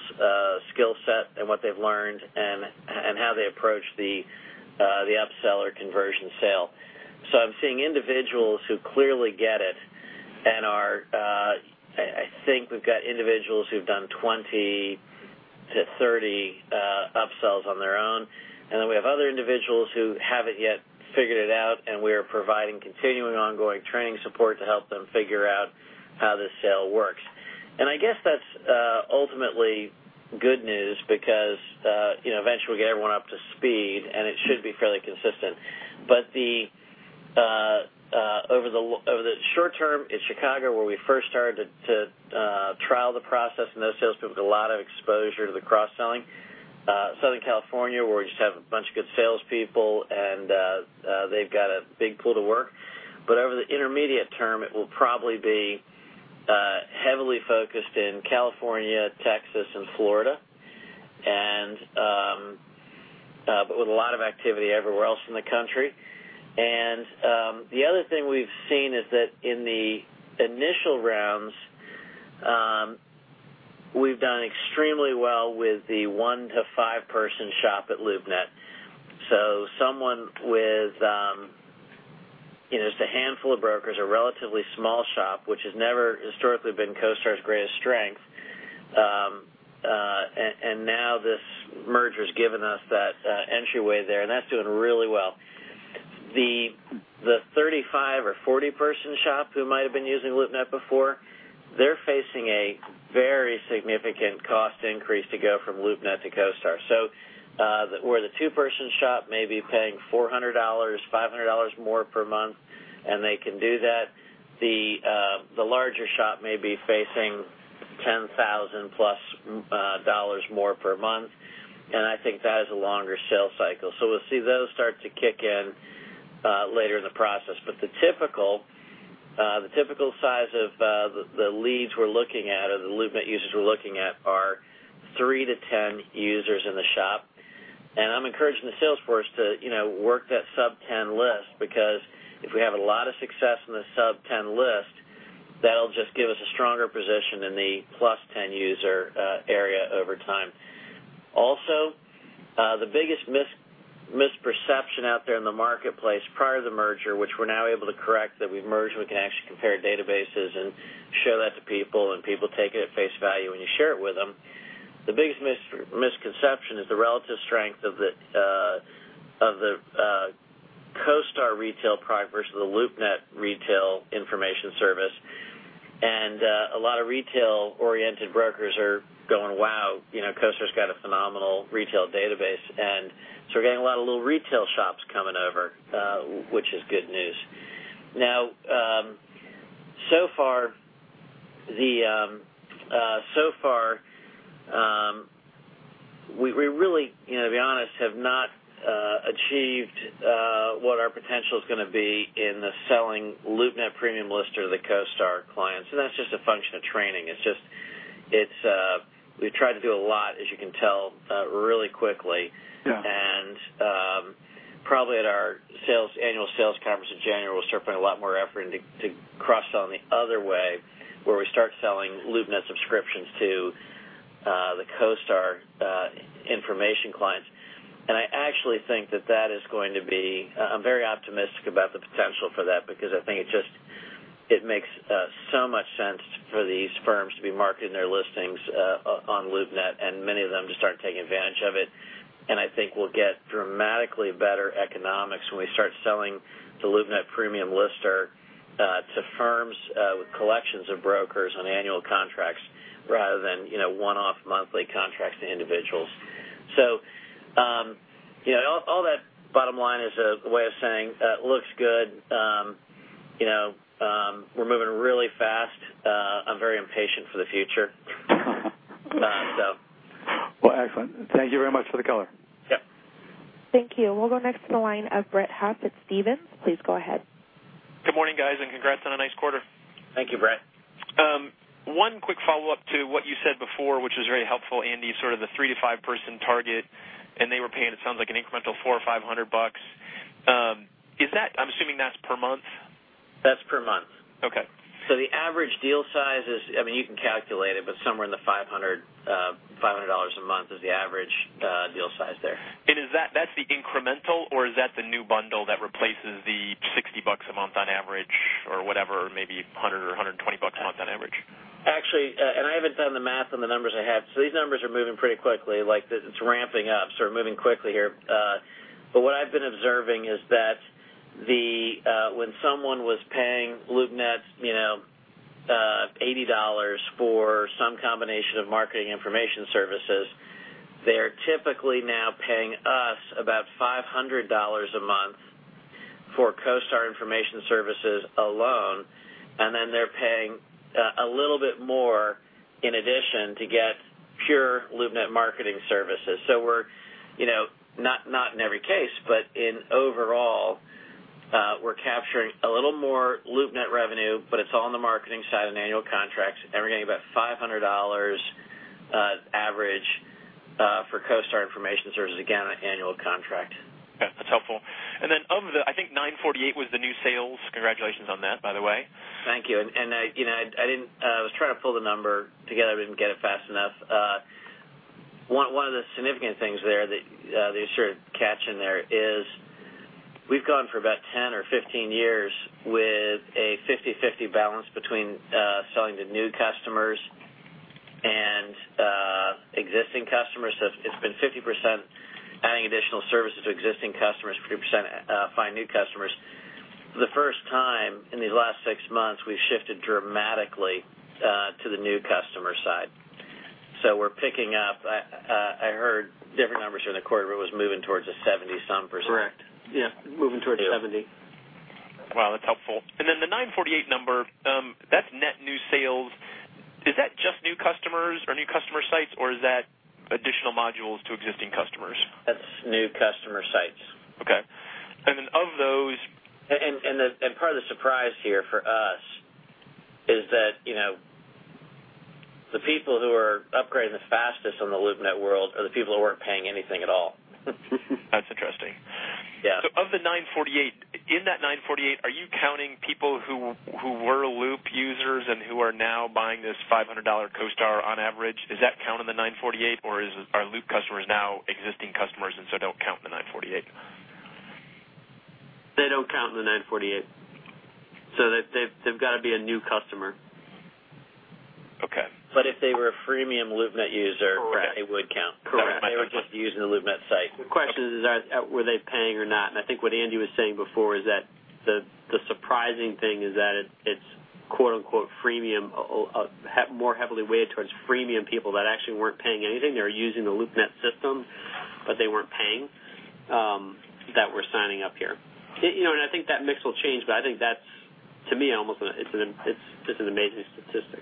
skillset and what they've learned and how they approach the upsell or conversion sale. I'm seeing individuals who clearly get it and are I think we've got individuals who've done 20 to 30 upsells on their own, and then we have other individuals who haven't yet figured it out, and we are providing continuing ongoing training support to help them figure out how this sale works. I guess that's ultimately good news because eventually we'll get everyone up to speed, and it should be fairly consistent. Over the short term, it's Chicago where we first started to trial the process, and those salespeople get a lot of exposure to the cross-selling. Southern California, where we just have a bunch of good salespeople and they've got a big pool to work. Over the intermediate term, it will probably be heavily focused in California, Texas, and Florida, but with a lot of activity everywhere else in the country. The other thing we've seen is that in the initial rounds, we've done extremely well with the one-to-five person shop at LoopNet. Someone with just a handful of brokers, a relatively small shop, which has never historically been CoStar's greatest strength, and now this merger's given us that entryway there, and that's doing really well. The 35 or 40 person shop who might have been using LoopNet before, they're facing a very significant cost increase to go from LoopNet to CoStar. Where the two-person shop may be paying $400, $500 more per month, and they can do that, the larger shop may be facing $10,000 plus more per month, and I think that is a longer sales cycle. The typical size of the leads we're looking at, or the LoopNet users we're looking at, are 3 to 10 users in the shop. I'm encouraging the salesforce to work that sub-10 list because if we have a lot of success on the sub-10 list, that'll just give us a stronger position in the plus-10 user area over time. The biggest misperception out there in the marketplace prior to the merger, which we're now able to correct, that we've merged, and we can actually compare databases and show that to people, and people take it at face value when you share it with them. The biggest misconception is the relative strength of the CoStar retail product versus the LoopNet retail information service. A lot of retail-oriented brokers are going, "Wow, CoStar's got a phenomenal retail database." We're getting a lot of little retail shops coming over, which is good news. We really, to be honest, have not achieved what our potential is going to be in the selling LoopNet Premium Lister to the CoStar clients, and that's just a function of training. It's just we've tried to do a lot, as you can tell, really quickly. Yeah. Probably at our annual sales conference in January, we'll start putting a lot more effort into cross-sell on the other way, where we start selling LoopNet subscriptions to the CoStar information clients. I actually think that that is going to be I'm very optimistic about the potential for that because I think it just makes so much sense for these firms to be marketing their listings on LoopNet and many of them to start taking advantage of it. I think we'll get dramatically better economics when we start selling the LoopNet Premium Lister to firms, collections of brokers on annual contracts rather than one-off monthly contracts to individuals. All that bottom line is a way of saying it looks good. We're moving really fast. I'm very impatient for the future. Well, excellent. Thank you very much for the color. Yep. Thank you. We'll go next to the line of Brett Huff at Stephens. Please go ahead. Good morning, guys. Congrats on a nice quarter. Thank you, Brett. One quick follow-up to what you said before, which was very helpful, Andy, sort of the three to five person target. They were paying, it sounds like an incremental four or $500. I'm assuming that's per month? That's per month. Okay. The average deal size is, you can calculate it, but somewhere in the $500 a month is the average deal size there. That's the incremental, or is that the new bundle that replaces the $60 a month on average, or whatever, maybe $100 or $120 a month on average? Actually, I haven't done the math on the numbers I have. These numbers are moving pretty quickly. It's ramping up, moving quickly here. What I've been observing is that when someone was paying LoopNet $80 for some combination of marketing information services, they are typically now paying us about $500 a month for CoStar information services alone, and then they're paying a little bit more in addition to get pure LoopNet marketing services. Not in every case, but in overall, we're capturing a little more LoopNet revenue, but it's all on the marketing side on annual contracts, and we're getting about $500 average for CoStar Information Services, again, on an annual contract. Okay. That's helpful. Of the, I think 948 was the new sales. Congratulations on that, by the way. Thank you. I was trying to pull the number together, we didn't get it fast enough. One of the significant things there that you sort of catch in there is we've gone for about 10 or 15 years with a 50/50 balance between selling to new customers and existing customers. It's been 50% adding additional services to existing customers, 50% find new customers. For the first time, in these last six months, we've shifted dramatically to the new customer side. We're picking up I heard different numbers during the quarter, but it was moving towards a 70-some%. Correct. Yeah. Moving towards 70. Wow, that's helpful. Then the 948 number, that's net new sales. Is that just new customers or new customer sites, or is that additional modules to existing customers? That's new customer sites. Okay. Part of the surprise here for us is that the people who are upgrading the fastest on the LoopNet are the people who weren't paying anything at all. That's interesting. Yeah. Of the 948, in that 948, are you counting people who were Loopsters and who are now buying this $500 CoStar on average? Is that count in the 948, or are Loop customers now existing customers and don't count in the 948? They don't count in the 948. They've got to be a new customer. Okay. if they were a freemium LoopNet user- Correct they would count. Correct. If they were just using the LoopNet site. The question is, were they paying or not? I think what Andy was saying before is that the surprising thing is that it's quote unquote freemium, more heavily weighted towards freemium people that actually weren't paying anything. They were using the LoopNet system, but they weren't paying, that were signing up here. I think that mix will change, but I think that's, to me, almost an amazing statistic.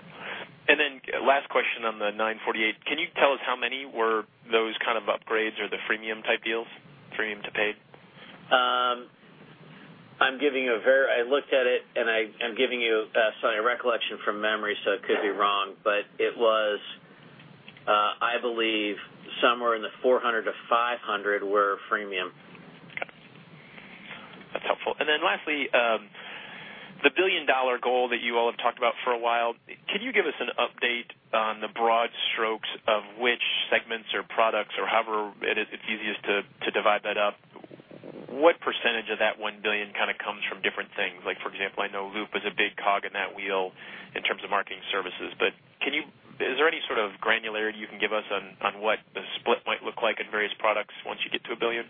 last question on the 948. Can you tell us how many were those kind of upgrades or the freemium type deals, freemium to paid? I looked at it, and I'm giving you a recollection from memory, so it could be wrong, but it was, I believe somewhere in the 400 to 500 were freemium. Okay. That's helpful. Lastly, the billion-dollar goal that you all have talked about for a while. Can you give us an update on the broad strokes of which segments or products or however it is easiest to divide that up? What percentage of that $1 billion kind of comes from different things? Like for example, I know Loop is a big cog in that wheel in terms of marketing services. Is there any sort of granularity you can give us on what the split might look like in various products once you get to $1 billion?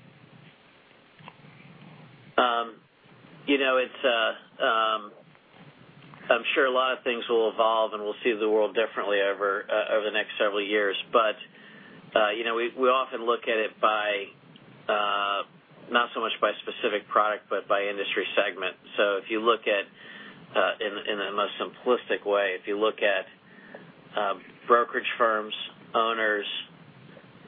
I'm sure a lot of things will evolve, and we'll see the world differently over the next several years. We often look at it not so much by specific product, but by industry segment. In a most simplistic way, if you look at brokerage firms, owners,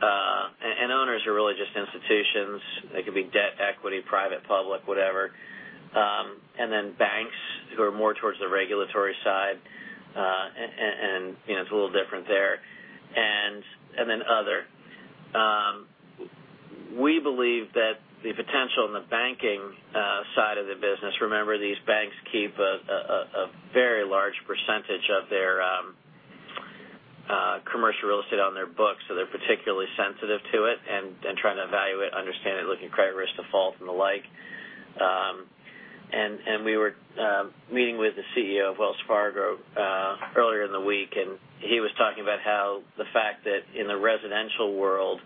and owners are really just institutions. They could be debt, equity, private, public, whatever. Banks, who are more towards the regulatory side, and it's a little different there. Other. We believe that the potential in the banking side of the business. Remember, these banks keep a very large percentage of their commercial real estate on their books, so they're particularly sensitive to it and trying to evaluate, understand it, looking at credit risk defaults and the like. We were meeting with the CEO of Wells Fargo week, and he was talking about how the fact that in the residential world,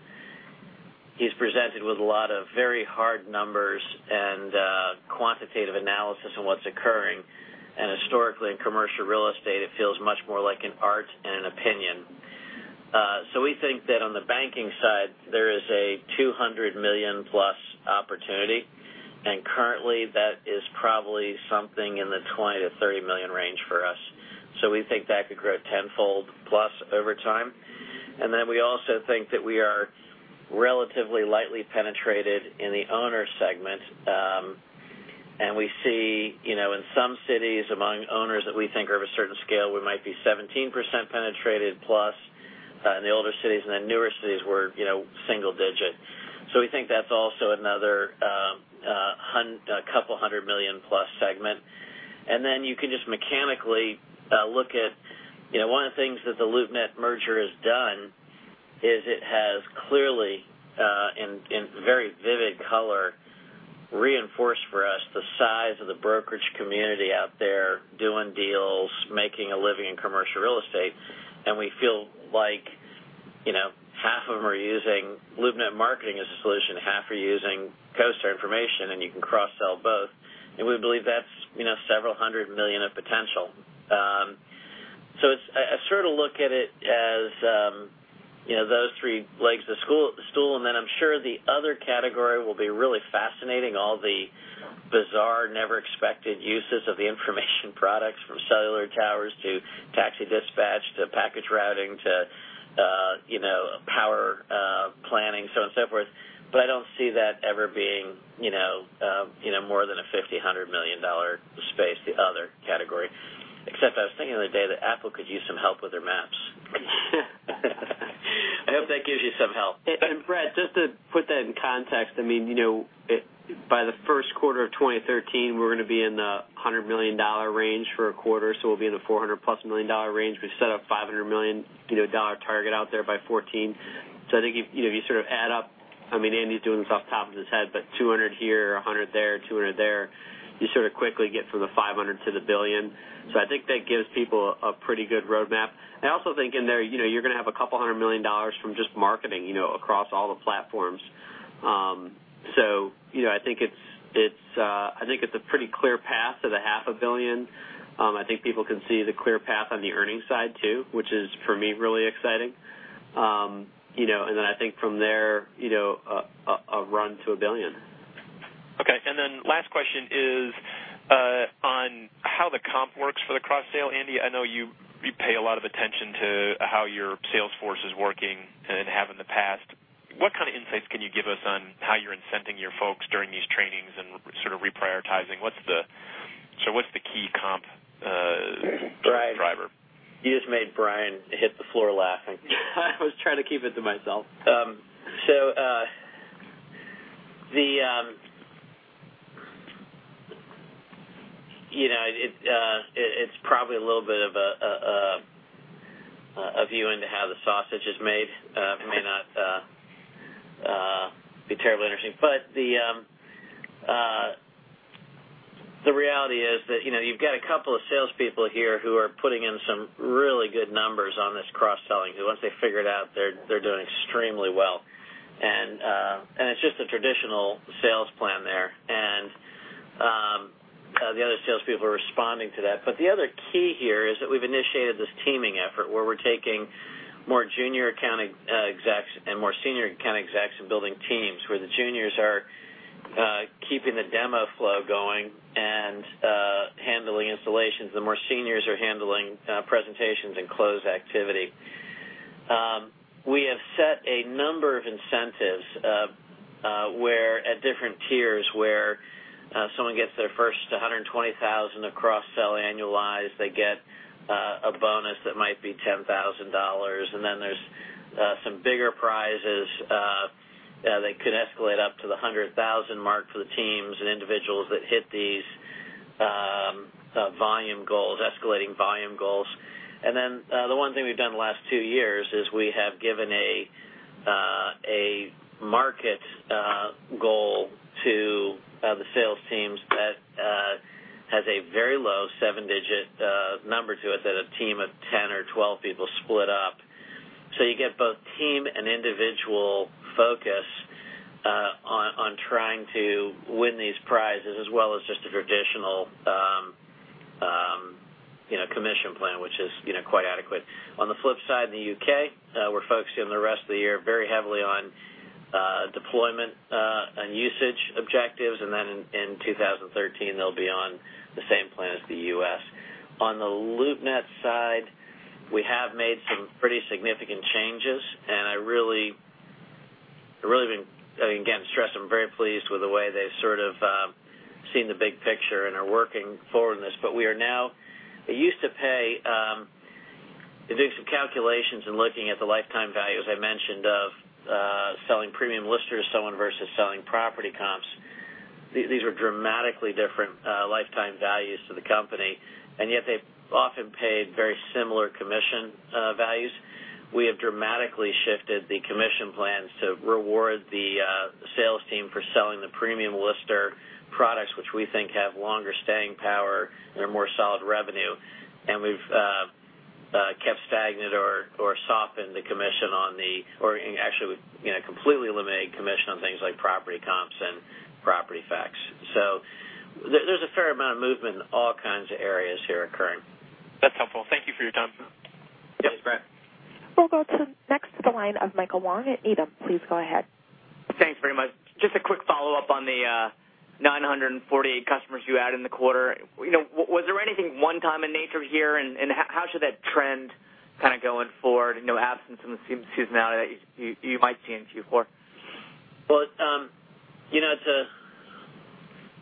he's presented with a lot of very hard numbers and quantitative analysis on what's occurring. Historically, in commercial real estate, it feels much more like an art and an opinion. We think that on the banking side, there is a $200 million+ opportunity, and currently, that is probably something in the $20 million-$30 million range for us. We think that could grow tenfold+ over time. We also think that we are relatively lightly penetrated in the owner segment. We see in some cities among owners that we think are of a certain scale, we might be 17%+ penetrated, in the older cities. Newer cities we're single-digit. We think that's also another $200 million+ segment. You can just mechanically look at. One of the things that the LoopNet merger has done is it has clearly, in very vivid color, reinforced for us the size of the brokerage community out there doing deals, making a living in commercial real estate. We feel like half of them are using LoopNet marketing as a solution, half are using CoStar information, and you can cross-sell both. We believe that's several hundred million of potential. I look at it as those three legs of stool, and then I'm sure the other category will be really fascinating. All the bizarre, never expected uses of the information products from cellular towers to taxi dispatch, to package routing to power planning, so on and so forth. I don't see that ever being more than a $50 million-$100 million space, the other category, except I was thinking the other day that Apple could use some help with their maps. I hope that gives you some help. Brett, just to put that in context, by the first quarter of 2013, we're going to be in the $100 million range for a quarter. We'll be in the $400 million+ range. We set a $500 million target out there by 2014. I think if you add up Andy's doing this off the top of his head, but $200 here, $100 there, $200 there, you sort of quickly get from the $500 million to $1 billion. I think that gives people a pretty good roadmap. I also think in there, you're going to have $200 million from just marketing, across all the platforms. I think it's a pretty clear path to the half a billion. I think people can see the clear path on the earning side, too, which is, for me, really exciting. I think from there, a run to $1 billion. Last question is on how the comp works for the cross-sale. Andy, I know you pay a lot of attention to how your sales force is working and have in the past. What kind of insights can you give us on how you're incenting your folks during these trainings and sort of reprioritizing? What's the key comp driver? Brian. You just made Brian hit the floor laughing. I was trying to keep it to myself. It's probably a little bit of a view into how the sausage is made. It may not be terribly interesting. The reality is that you've got a couple of salespeople here who are putting in some really good numbers on this cross-selling, who once they figure it out, they're doing extremely well. It's just a traditional sales plan there. The other salespeople are responding to that. The other key here is that we've initiated this teaming effort where we're taking more junior account execs and more senior account execs and building teams where the juniors are keeping the demo flow going and handling installations. The more seniors are handling presentations and close activity. We have set a number of incentives at different tiers where someone gets their first 120,000 of cross-sell annualized, they get a bonus that might be $10,000. Then there's some bigger prizes. They could escalate up to the 100,000 mark for the teams and individuals that hit these escalating volume goals. Then, the one thing we've done the last two years is we have given a market goal to the sales teams that has a very low seven-digit number to it that a team of 10 or 12 people split up. You get both team and individual focus on trying to win these prizes as well as just a traditional commission plan, which is quite adequate. On the flip side, in the U.K., we're focusing on the rest of the year very heavily on deployment and usage objectives. Then in 2013, they'll be on the same plan as the U.S. On the LoopNet side, we have made some pretty significant changes, and I really again, stress, I'm very pleased with the way they've sort of seen the big picture and are working forward in this. We are now. We did some calculations in looking at the lifetime value, as I mentioned, of selling Premium Lister to someone versus selling property comps. These were dramatically different lifetime values to the company, and yet they've often paid very similar commissions. We have dramatically shifted the commission plans to reward the sales team for selling the Premium Lister products, which we think have longer staying power and are more solid revenue. We've kept stagnant or softened the commission. Actually, we completely eliminated commission on things like property comps and Property Facts. There's a fair amount of movement in all kinds of areas here occurring. That's helpful. Thank you for your time. Yes, Brett. We'll go next to the line of Michael Wong at Needham. Please go ahead. Thanks very much. Just a quick follow-up on the 948 customers you had in the quarter. Was there anything one-time in nature here, and how should that trend kind of go forward, absence in the seasonality that you might see in Q4? Well, it's a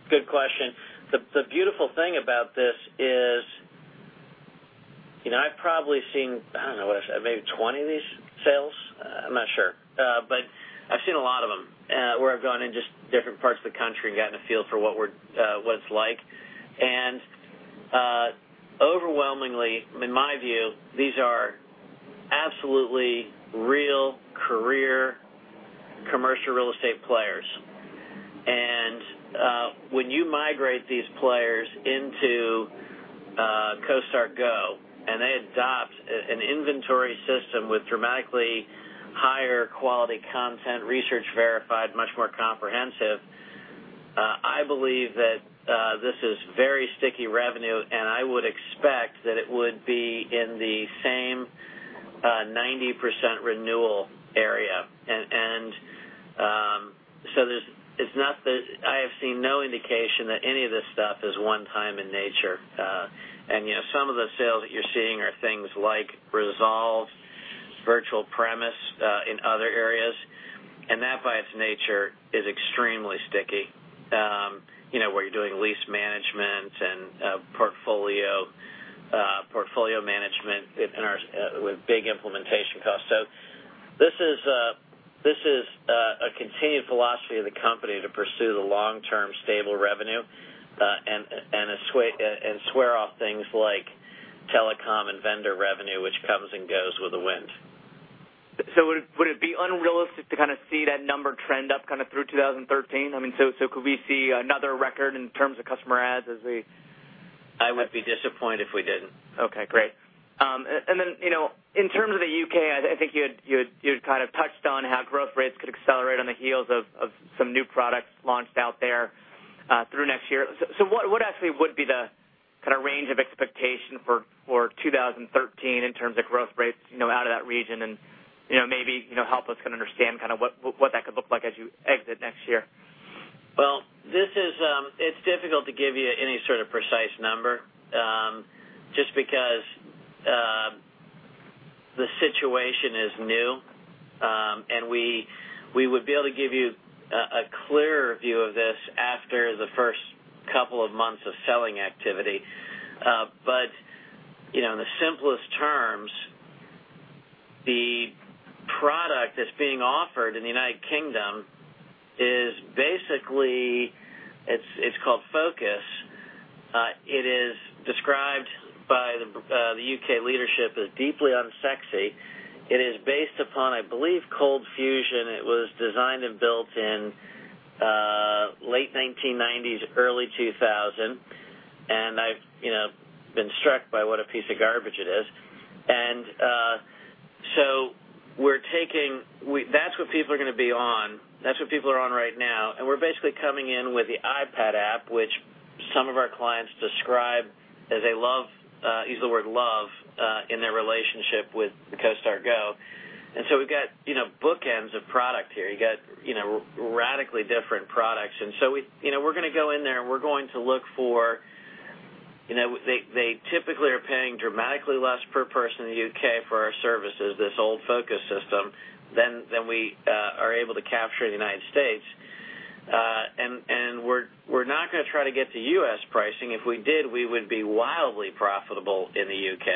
good question. The beautiful thing about this is I've probably seen, I don't know, what I say, maybe 20 of these sales. I'm not sure. I've seen a lot of them, where I've gone in just different parts of the country and gotten a feel for what it's like. Overwhelmingly, in my view, these are absolutely real career commercial real estate players. When you migrate these players into CoStar Go, and they adopt an inventory system with dramatically higher quality content, research verified, much more comprehensive, I believe that this is very sticky revenue, and I would expect that it would be in the same 90% renewal area. I have seen no indication that any of this stuff is one-time in nature. Some of the sales that you're seeing are things like Resolve, Virtual Premise, in other areas. That, by its nature, is extremely sticky, where you're doing lease management and portfolio management with big implementation costs. This is a continued philosophy of the company to pursue the long-term stable revenue, and swear off things like telecom and vendor revenue, which comes and goes with the wind. Would it be unrealistic to kind of see that number trend up through 2013? Could we see another record in terms of customer adds as we I would be disappointed if we didn't. Okay, great. Then, in terms of the U.K., I think you had kind of touched on how growth rates could accelerate on the heels of some new products launched out there through next year. What actually would be the kind of range of expectation for 2013 in terms of growth rates out of that region and maybe help us kind of understand what that could look like as you exit next year? It's difficult to give you any sort of precise number, just because the situation is new. We would be able to give you a clearer view of this after the first couple of months of selling activity. In the simplest terms, the product that's being offered in the U.K. is basically, it's called Focus. It is described by the U.K. leadership as deeply unsexy. It is based upon, I believe, ColdFusion. It was designed and built in late 1990s, early 2000. I've been struck by what a piece of garbage it is. That's what people are going to be on. That's what people are on right now. We're basically coming in with the iPad app, which some of our clients describe as they love, use the word love in their relationship with the CoStar Go. We've got bookends of product here. You got radically different products. We're going to go in there, and we're going to look for They typically are paying dramatically less per person in the U.K. for our services, this old Focus system, than we are able to capture in the U.S. We're not going to try to get to U.S. pricing. If we did, we would be wildly profitable in the U.K.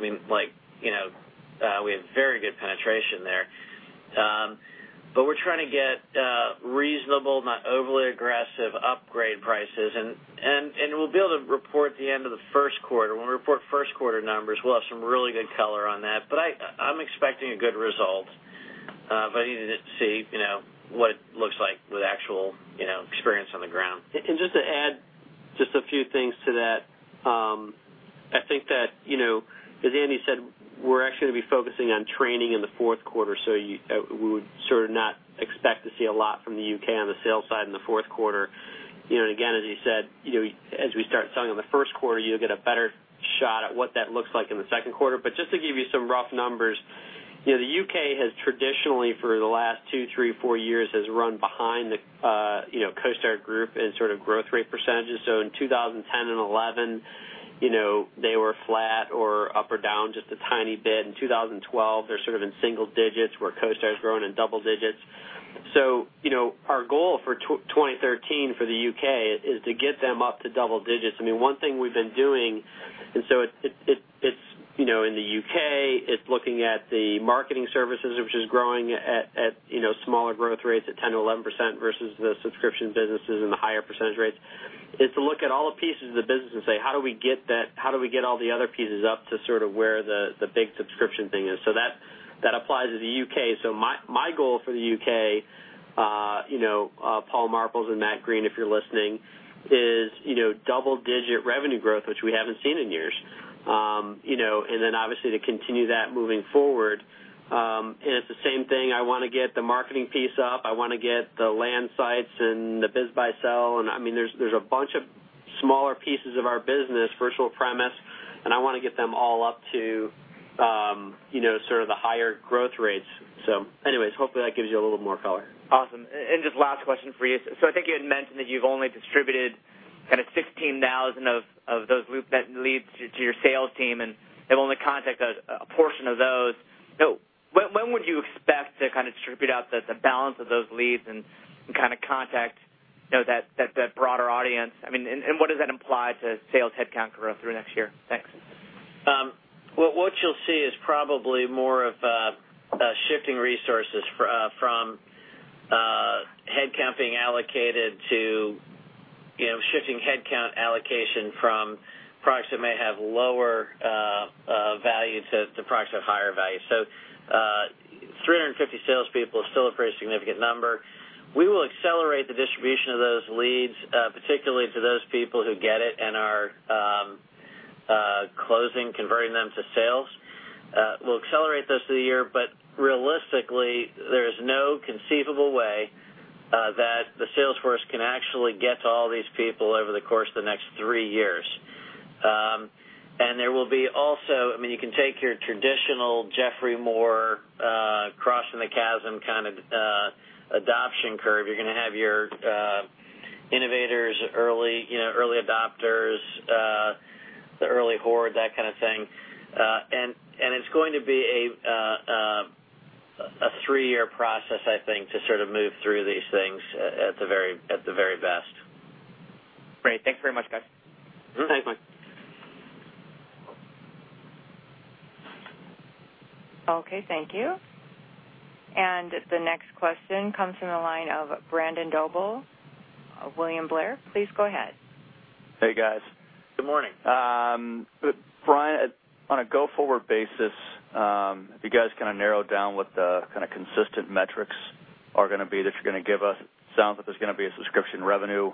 We have very good penetration there. We're trying to get reasonable, not overly aggressive upgrade prices, and we'll be able to report at the end of the first quarter. When we report first quarter numbers, we'll have some really good color on that. I'm expecting a good result. You need to see what it looks like with actual experience on the ground. Just to add just a few things to that, I think that, as Andy said, we're actually going to be focusing on training in the fourth quarter, so we would sort of not expect to see a lot from the U.K. on the sales side in the fourth quarter. Again, as you said, as we start selling in the first quarter, you'll get a better shot at what that looks like in the second quarter. Just to give you some rough numbers, the U.K. has traditionally, for the last two, three, four years, has run behind the CoStar Group in sort of growth rate percentages. In 2010 and 2011, they were flat or up or down just a tiny bit. In 2012, they're sort of in single digits, where CoStar's grown in double digits. Our goal for 2013 for the U.K. is to get them up to double digits. One thing we've been doing, and so it's in the U.K., it's looking at the marketing services, which is growing at smaller growth rates at 10%-11% versus the subscription businesses and the higher percentage rates. Is to look at all the pieces of the business and say: How do we get all the other pieces up to sort of where the big subscription thing is? That applies to the U.K. My goal for the U.K., Paul Marples and Matt Green, if you're listening, is double-digit revenue growth, which we haven't seen in years. Obviously to continue that moving forward. It's the same thing, I want to get the marketing piece up. I want to get the LandSites and the BizBuySell. There's a bunch of smaller pieces of our business, Virtual Premise, and I want to get them all up to sort of the higher growth rates. Anyways, hopefully that gives you a little more color. Awesome. Just last question for you. I think you had mentioned that you've only distributed kind of 16,000 of those LoopNet leads to your sales team, and they've only contacted a portion of those. When would you expect to distribute out the balance of those leads and kind of contact that broader audience? What does that imply to sales headcount growth through next year? Thanks. What you'll see is probably more of shifting resources from headcount being allocated to shifting headcount allocation from products that may have lower value to products that have higher value. 350 salespeople is still a pretty significant number. We will accelerate the distribution of those leads, particularly to those people who get it and are closing, converting them to sales. We'll accelerate those through the year, but realistically, there is no conceivable way that the sales force can actually get to all these people over the course of the next three years. There will be also, you can take your traditional Geoffrey Moore, Crossing the Chasm kind of adoption curve. You're going to have your innovators, early adopters, the early hoard, that kind of thing. It's going to be a three-year process, I think, to sort of move through these things at the very best. Great. Thanks very much, guys. Thanks, Mike. Okay. Thank you. The next question comes from the line of Brandon Doble of William Blair. Please go ahead. Hey, guys. Good morning. Brian, on a go-forward basis, have you guys kind of narrowed down what the kind of consistent metrics are going to be that you're going to give us? Sounds like there's going to be a subscription revenue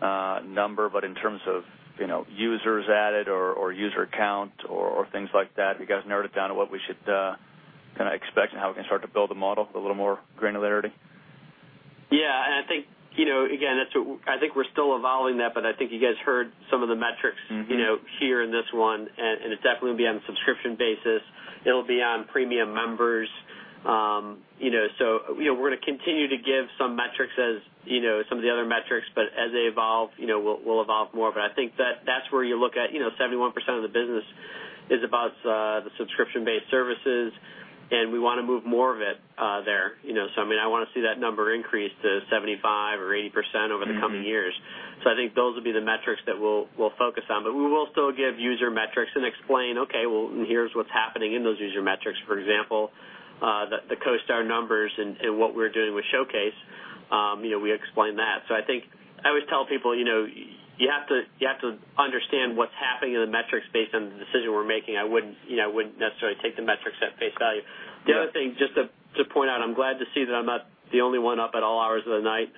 number, but in terms of users added or user count or things like that, have you guys narrowed it down to what we should kind of expect and how we can start to build a model with a little more granularity? Yeah. I think we're still evolving that, I think you guys heard some of the metrics. here in this one, it's definitely going to be on a subscription basis. It'll be on premium members. We're going to continue to give some metrics as some of the other metrics, as they evolve, we'll evolve more. I think that's where you look at 71% of the business is about the subscription-based services, we want to move more of it there. I want to see that number increase to 75 or 80% over the coming years. I think those will be the metrics that we'll focus on. We will still give user metrics and explain, okay, well, here's what's happening in those user metrics. For example, the CoStar numbers and what we're doing with Showcase. We explain that. I think I always tell people, you have to understand what's happening in the metrics based on the decision we're making. I wouldn't necessarily take the metrics at face value. Yeah. The other thing, just to point out, I'm glad to see that I'm not the only one up at all hours of the night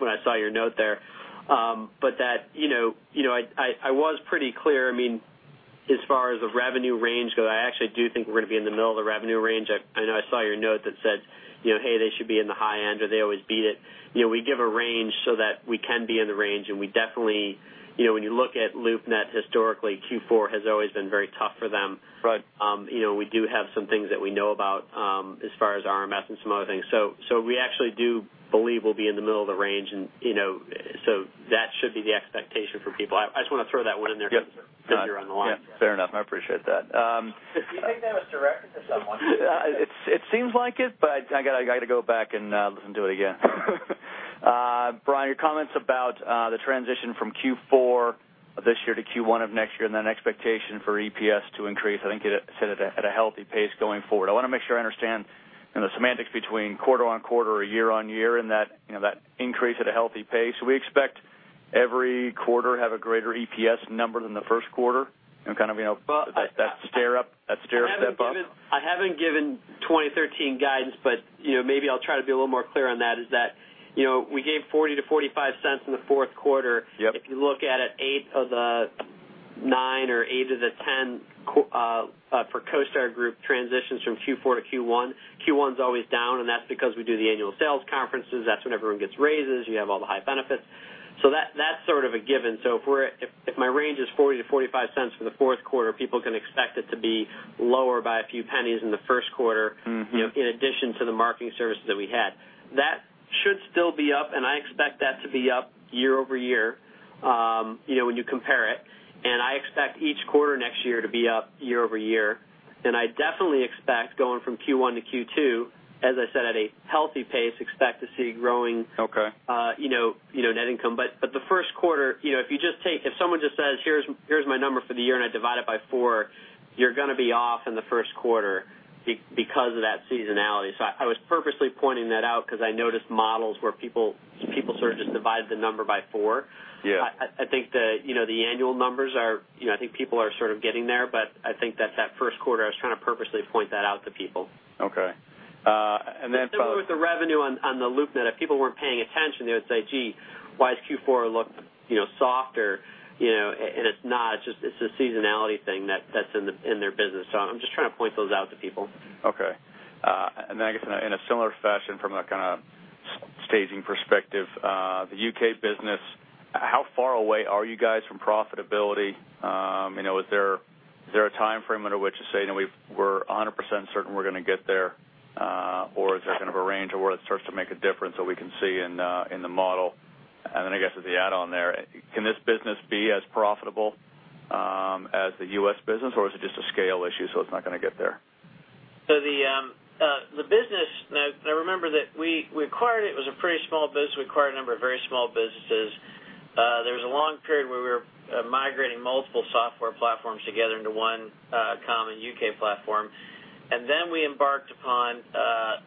when I saw your note there. I was pretty clear as far as the revenue range goes, I actually do think we're going to be in the middle of the revenue range. I know I saw your note that said, "Hey, they should be in the high end," or, "They always beat it." We give a range so that we can be in the range, and we definitely, when you look at LoopNet historically, Q4 has always been very tough for them. Right. We do have some things that we know about as far as RMS and some other things. We actually do believe we'll be in the middle of the range, and so that should be the expectation for people. I just want to throw that one in there since you're on the line. Yeah. Fair enough. I appreciate that. Do you think that was directed to someone? It seems like it, I got to go back and listen to it again. Brian, your comments about the transition from Q4 of this year to Q1 of next year, and then expectation for EPS to increase, I think you said at a healthy pace going forward. I want to make sure I understand the semantics between quarter-on-quarter or year-on-year, and that increase at a healthy pace. We expect every quarter to have a greater EPS number than the first quarter and kind of that stair step up? I haven't given 2013 guidance, maybe I'll try to be a little more clear on that, is that, we gave $0.40 to $0.45 in the fourth quarter. Yep. If you look at it, eight of the nine or eight of the 10 for CoStar Group transitions from Q4 to Q1. Q1's always down, that's because we do the annual sales conferences. That's when everyone gets raises. You have all the high benefits. That's sort of a given. If my range is $0.40 to $0.45 for the fourth quarter, people can expect it to be lower by a few pennies in the first quarter. in addition to the marketing services that we had. That should still be up, I expect that to be up year-over-year when you compare it. I expect each quarter next year to be up year-over-year. I definitely expect going from Q1 to Q2, as I said, at a healthy pace, expect to see. Okay net income. The first quarter, if someone just says, "Here's my number for the year, and I divide it by four," you're going to be off in the first quarter. Because of that seasonality. I was purposely pointing that out because I noticed models where people sort of just divide the number by four. Yeah. I think people are sort of getting there. I think that's that first quarter, I was trying to purposely point that out to people. Okay. Similar with the revenue on the LoopNet. If people weren't paying attention, they would say, "Gee, why does Q4 look softer?" It's not. It's a seasonality thing that's in their business. I'm just trying to point those out to people. I guess in a similar fashion from a kind of staging perspective, the U.K. business, how far away are you guys from profitability? Is there a time frame in which to say, "We're 100% certain we're going to get there," or is there kind of a range of where it starts to make a difference that we can see in the model? I guess as the add-on there, can this business be as profitable as the U.S. business or is it just a scale issue, it's not going to get there? The business. Now, remember that we acquired it. It was a pretty small business. We acquired a number of very small businesses. There was a long period where we were migrating multiple software platforms together into one common U.K. platform. We embarked upon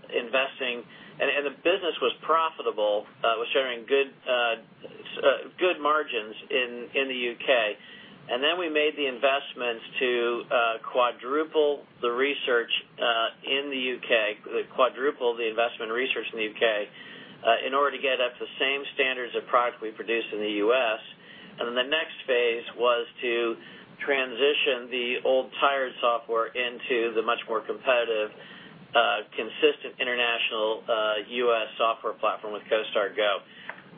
investing, the business was profitable. It was sharing good margins in the U.K. We made the investments to quadruple the research in the U.K., quadruple the investment research in the U.K., in order to get up to the same standards of product we produce in the U.S. The next phase was to transition the old tired software into the much more competitive, consistent international U.S. software platform with CoStar Go.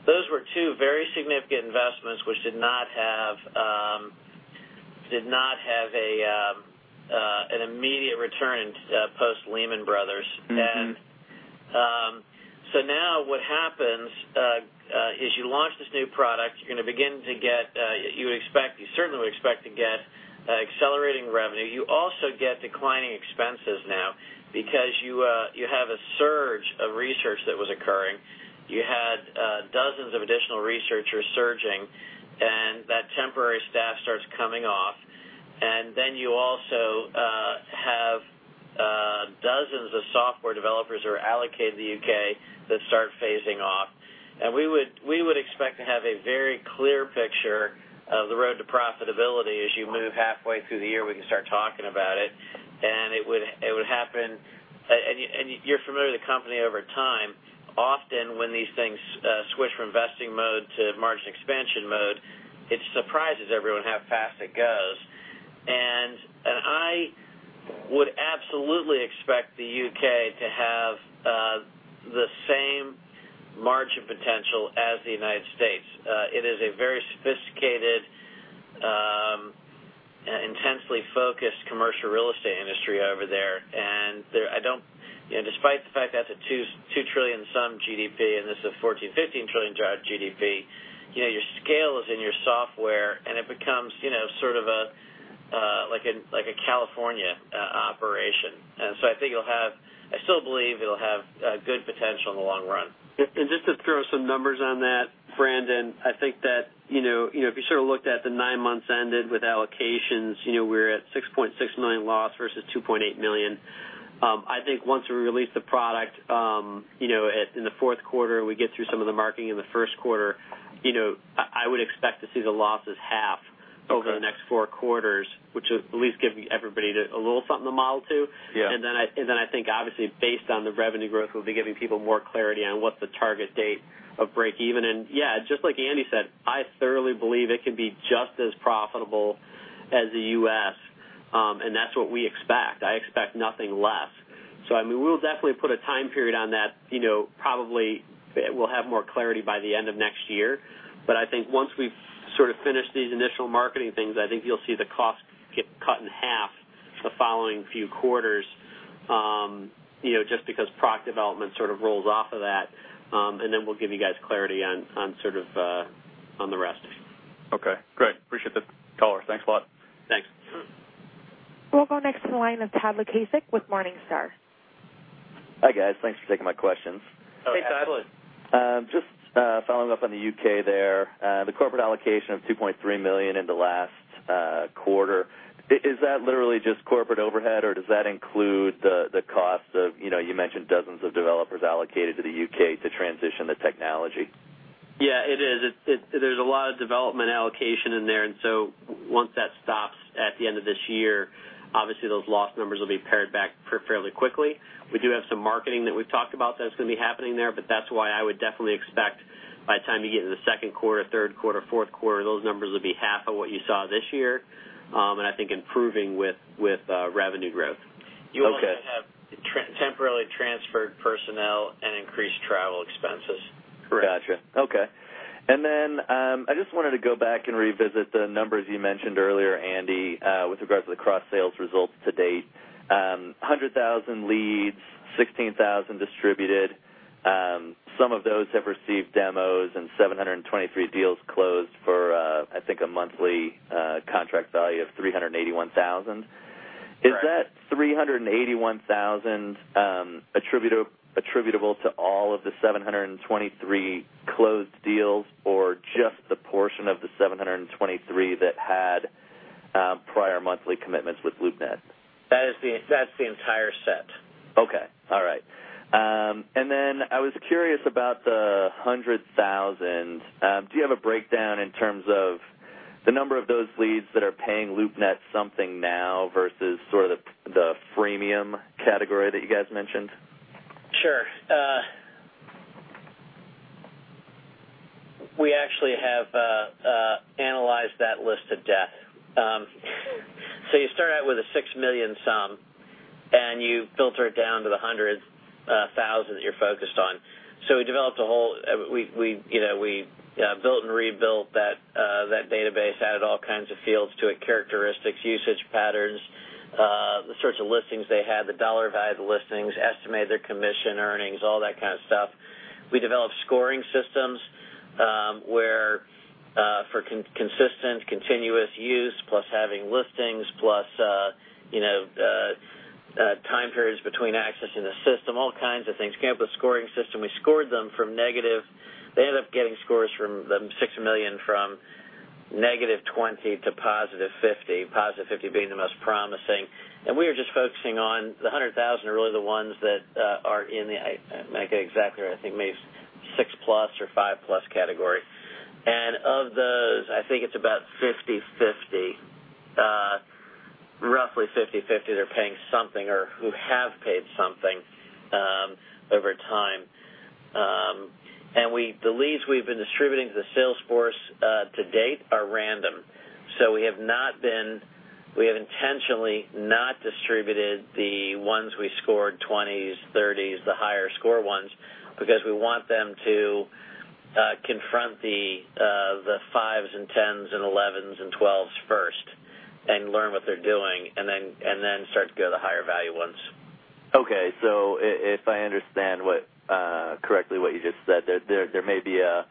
Those were two very significant investments which did not have an immediate return post Lehman Brothers. Now what happens is you launch this new product. You certainly would expect to get accelerating revenue. You also get declining expenses now because you have a surge of research that was occurring. You had dozens of additional researchers surging, that temporary staff starts coming off. You also have dozens of software developers who are allocated to the U.K. that start phasing off. We would expect to have a very clear picture of the road to profitability. As you move halfway through the year, we can start talking about it. You're familiar with the company over time. Often, when these things switch from investing mode to margin expansion mode, it surprises everyone how fast it goes. I would absolutely expect the U.K. to have the same margin potential as the United States. It is a very sophisticated, intensely focused commercial real estate industry over there. Despite the fact that's a $2 trillion-some GDP, this is a $14 trillion, $15 trillion GDP, your scale is in your software, it becomes sort of like a California operation. I still believe it'll have good potential in the long run. Just to throw some numbers on that, Brandon, I think that if you sort of looked at the nine months ended with allocations, we're at $6.6 million loss versus $2.8 million. I think once we release the product in the fourth quarter and we get through some of the marketing in the first quarter, I would expect to see the loss as half Okay over the next four quarters, which at least gives everybody a little something to model to. Yeah. I think obviously based on the revenue growth, we'll be giving people more clarity on what the target date of break even. Yeah, just like Andy said, I thoroughly believe it can be just as profitable as the U.S., and that's what we expect. I expect nothing less. I mean, we'll definitely put a time period on that. Probably, we'll have more clarity by the end of next year. I think once we've sort of finished these initial marketing things, I think you'll see the cost get cut in half the following few quarters, just because product development sort of rolls off of that. We'll give you guys clarity on the rest. Okay, great. Appreciate the color. Thanks a lot. Thanks. We'll go next to the line of Tad Lukaszak with Morningstar. Hi, guys. Thanks for taking my questions. Hey, Tad. Hey. Just following up on the U.K. there. The corporate allocation of $2.3 million in the last quarter, is that literally just corporate overhead, or does that include the cost of-- You mentioned dozens of developers allocated to the U.K. to transition the technology. Yeah, it is. There's a lot of development allocation in there. Once that stops at the end of this year, obviously those loss numbers will be pared back fairly quickly. We do have some marketing that we've talked about that's going to be happening there. That's why I would definitely expect by the time you get into the second quarter, third quarter, fourth quarter, those numbers will be half of what you saw this year, and I think improving with revenue growth. Okay. You only have temporarily transferred personnel and increased travel expenses. Got you. Okay. I just wanted to go back and revisit the numbers you mentioned earlier, Andy, with regards to the cross-sales results to date. 100,000 leads, 16,000 distributed. Some of those have received demos and 723 deals closed for, I think, a monthly contract value of $381,000. Correct. Is that $381,000 attributable to all of the 723 closed deals, or just the portion of the 723 that had prior monthly commitments with LoopNet? That's the entire set. I was curious about the 100,000. Do you have a breakdown in terms of the number of those leads that are paying LoopNet something now versus sort of the freemium category that you guys mentioned? Sure. We actually have analyzed that list to death. You start out with a 6 million sum, you filter it down to the 100,000 that you're focused on. We built and rebuilt that database, added all kinds of fields to it, characteristics, usage patterns, the sorts of listings they had, the dollar value of the listings, estimated their commission earnings, all that kind of stuff. We developed scoring systems, where for consistent, continuous use, plus having listings, plus time periods between accessing the system, all kinds of things. Came up with a scoring system. They ended up getting scores from the 6 million from -20 to +50. +50 being the most promising. We are just focusing on the 100,000 are really the ones that are in the, I might get it exactly right, I think maybe 6-plus or 5-plus category. Of those, I think it's about 50/50. Roughly 50/50 that are paying something or who have paid something over time. The leads we've been distributing to the sales force to date are random. We have intentionally not distributed the ones we scored 20s, 30s, the higher score ones, because we want them to confront the 5s and 10s and 11s and 12s first and learn what they're doing, and then start to go to the higher value ones. If I understand correctly what you just said, there may be a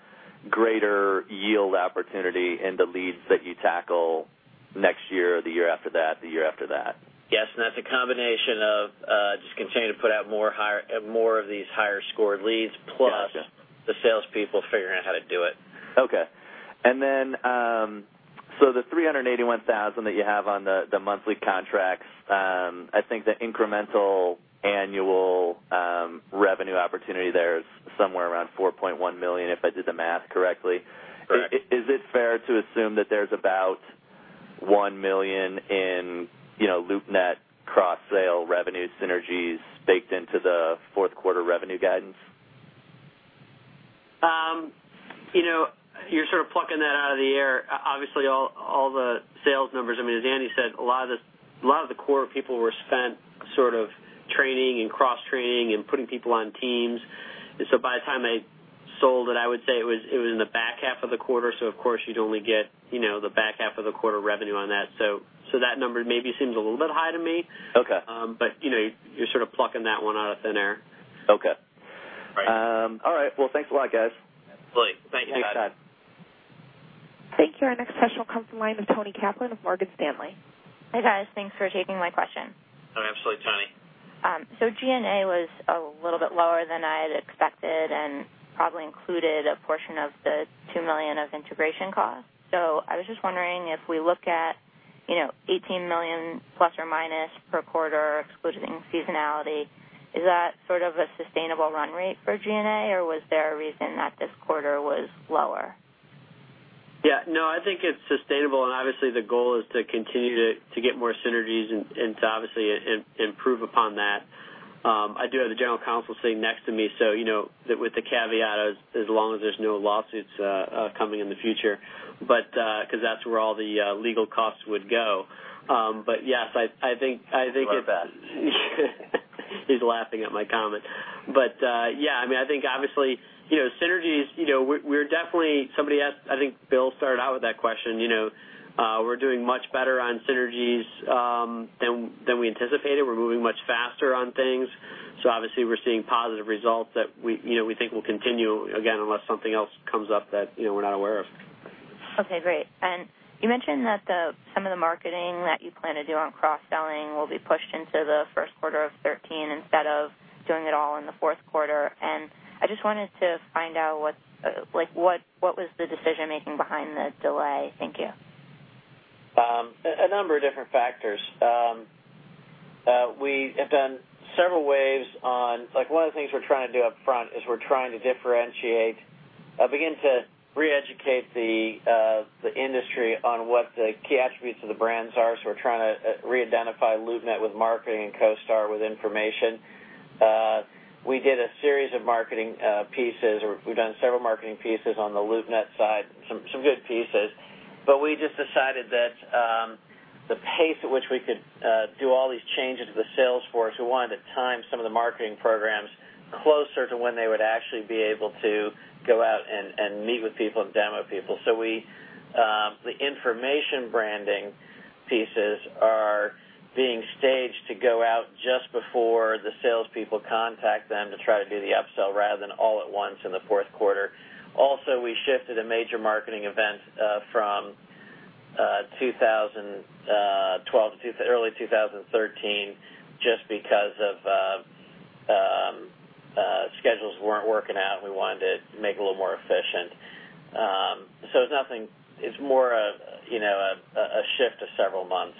greater yield opportunity in the leads that you tackle next year or the year after that, the year after that. Yes, that's a combination of just continuing to put out more of these higher-scored leads. Gotcha The salespeople figuring out how to do it. The 381,000 that you have on the monthly contracts, I think the incremental annual revenue opportunity there is somewhere around $4.1 million, if I did the math correctly. Correct. Is it fair to assume that there's about $1 million in LoopNet cross-sale revenue synergies baked into the fourth quarter revenue guidance? You're sort of plucking that out of the air. Obviously, all the sales numbers, as Andy said, a lot of the core people were spent sort of training and cross-training and putting people on teams. By the time they sold it, I would say it was in the back half of the quarter, of course, you'd only get the back half of the quarter revenue on that. That number maybe seems a little bit high to me. Okay. You're sort of plucking that one out of thin air. Okay. All right. All right. Well, thanks a lot, guys. Absolutely. Thank you, guys. Thanks, Tad. Thank you. Our next question will come from the line of Toni Kaplan of Morgan Stanley. Hi, guys. Thanks for taking my question. Absolutely, Toni. G&A was a little bit lower than I'd expected and probably included a portion of the $2 million of integration costs. I was just wondering if we look at, $18 million ± per quarter, excluding seasonality, is that sort of a sustainable run rate for G&A, or was there a reason that this quarter was lower? I think it's sustainable, and obviously the goal is to continue to get more synergies and to obviously improve upon that. I do have the general counsel sitting next to me, so with the caveat as long as there's no lawsuits coming in the future, because that's where all the legal costs would go. Yes, I think it- He's laughing at my comment. Yeah, I think obviously, synergies, we're definitely Somebody asked, I think Bill started out with that question. We're doing much better on synergies than we anticipated. We're moving much faster on things. Obviously we're seeing positive results that we think will continue, again, unless something else comes up that we're not aware of. Okay, great. You mentioned that some of the marketing that you plan to do on cross-selling will be pushed into the first quarter of 2013 instead of doing it all in the fourth quarter. I just wanted to find out what was the decision-making behind the delay. Thank you. A number of different factors. We have done several waves on One of the things we're trying to do upfront is we're trying to differentiate, begin to re-educate the industry on what the key attributes of the brands are. We're trying to re-identify LoopNet with marketing and CoStar with information. We did a series of marketing pieces, or we've done several marketing pieces on the LoopNet side, some good pieces. We just decided that the pace at which we could do all these changes to the sales force, we wanted to time some of the marketing programs closer to when they would actually be able to go out and meet with people and demo people. The information branding pieces are being staged to go out just before the salespeople contact them to try to do the upsell rather than all at once in the fourth quarter. Also, we shifted a major marketing event from 2012 to early 2013 just because schedules weren't working out, we wanted to make it a little more efficient. It's more of a shift of several months.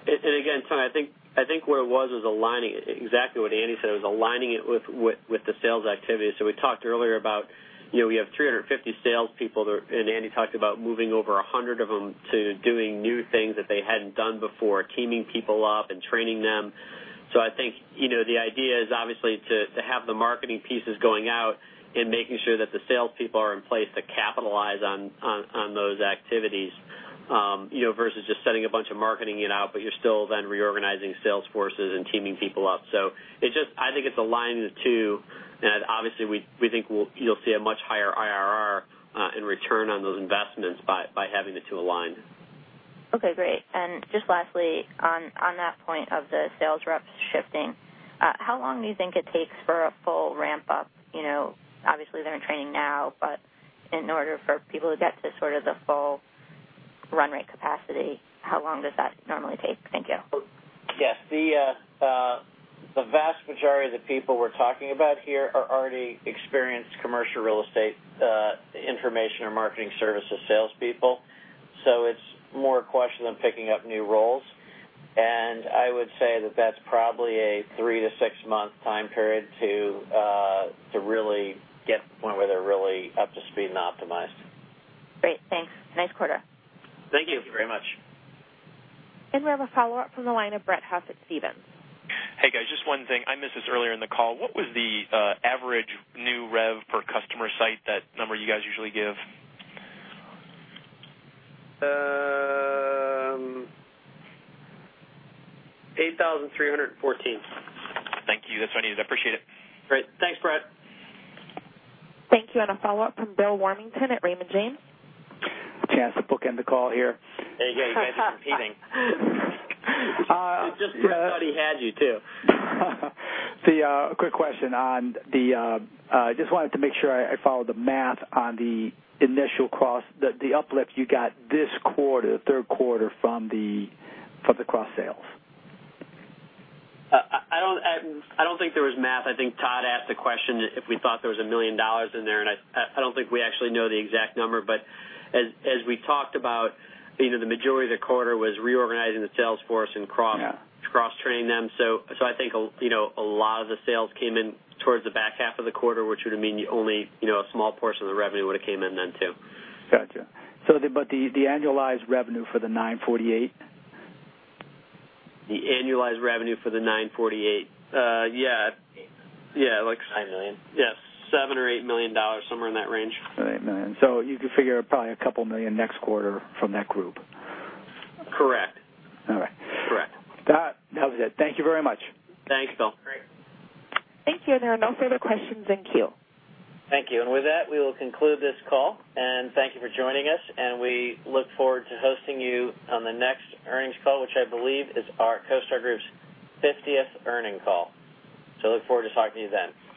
Toni, I think what it was is aligning exactly what Andy said. It was aligning it with the sales activity. We talked earlier about we have 350 salespeople, Andy talked about moving over 100 of them to doing new things that they hadn't done before, teaming people up and training them. I think, the idea is obviously to have the marketing pieces going out and making sure that the salespeople are in place to capitalize on those activities, versus just sending a bunch of marketing out, but you're still then reorganizing sales forces and teaming people up. I think it's aligned the two, and obviously, we think you'll see a much higher IRR in return on those investments by having the two aligned. Okay, great. Just lastly, on that point of the sales reps shifting, how long do you think it takes for a full ramp-up? Obviously, they're in training now, but in order for people to get to sort of the full run rate capacity, how long does that normally take? Thank you. Yes. The vast majority of the people we're talking about here are already experienced commercial real estate information or marketing services salespeople. It's more a question of picking up new roles. I would say that that's probably a three to six-month time period to really get to the point where they're really up to speed and optimized. Great, thanks. Nice quarter. Thank you. Thank you very much. We have a follow-up from the line of Brett Huff at Stephens Inc. Hey, guys. Just one thing. I missed this earlier in the call. What was the average new rev per customer site, that number you guys usually give? $8,314. Thank you. That's what I needed. I appreciate it. Great. Thanks, Brett. Thank you. A follow-up from Bill Warmington at Raymond James. Chance to bookend the call here. There you go. You guys are competing. Just when I thought he had you, too. A quick question. I just wanted to make sure I followed the math on the initial cross, the uplift you got this quarter, third quarter, from the cross sales. I don't think there was math. I think Todd asked the question if we thought there was a $1 million in there, and I don't think we actually know the exact number. As we talked about, the majority of the quarter was reorganizing the sales force. Yeah cross-training them. I think a lot of the sales came in towards the back half of the quarter, which would mean only a small portion of the revenue would've came in then, too. Gotcha. The annualized revenue for the $948? The annualized revenue for the $948. Yeah. Eight. Yeah. $5 million Yes. $7 million or $8 million, somewhere in that range. $7 million or $8 million. You can figure probably a couple million next quarter from that group. Correct. All right. Correct. That was it. Thank you very much. Thanks, Bill. Great. Thank you. There are no further questions in queue. Thank you. With that, we will conclude this call. Thank you for joining us, and we look forward to hosting you on the next earnings call, which I believe is our CoStar Group's 50th earnings call. Look forward to talking to you then.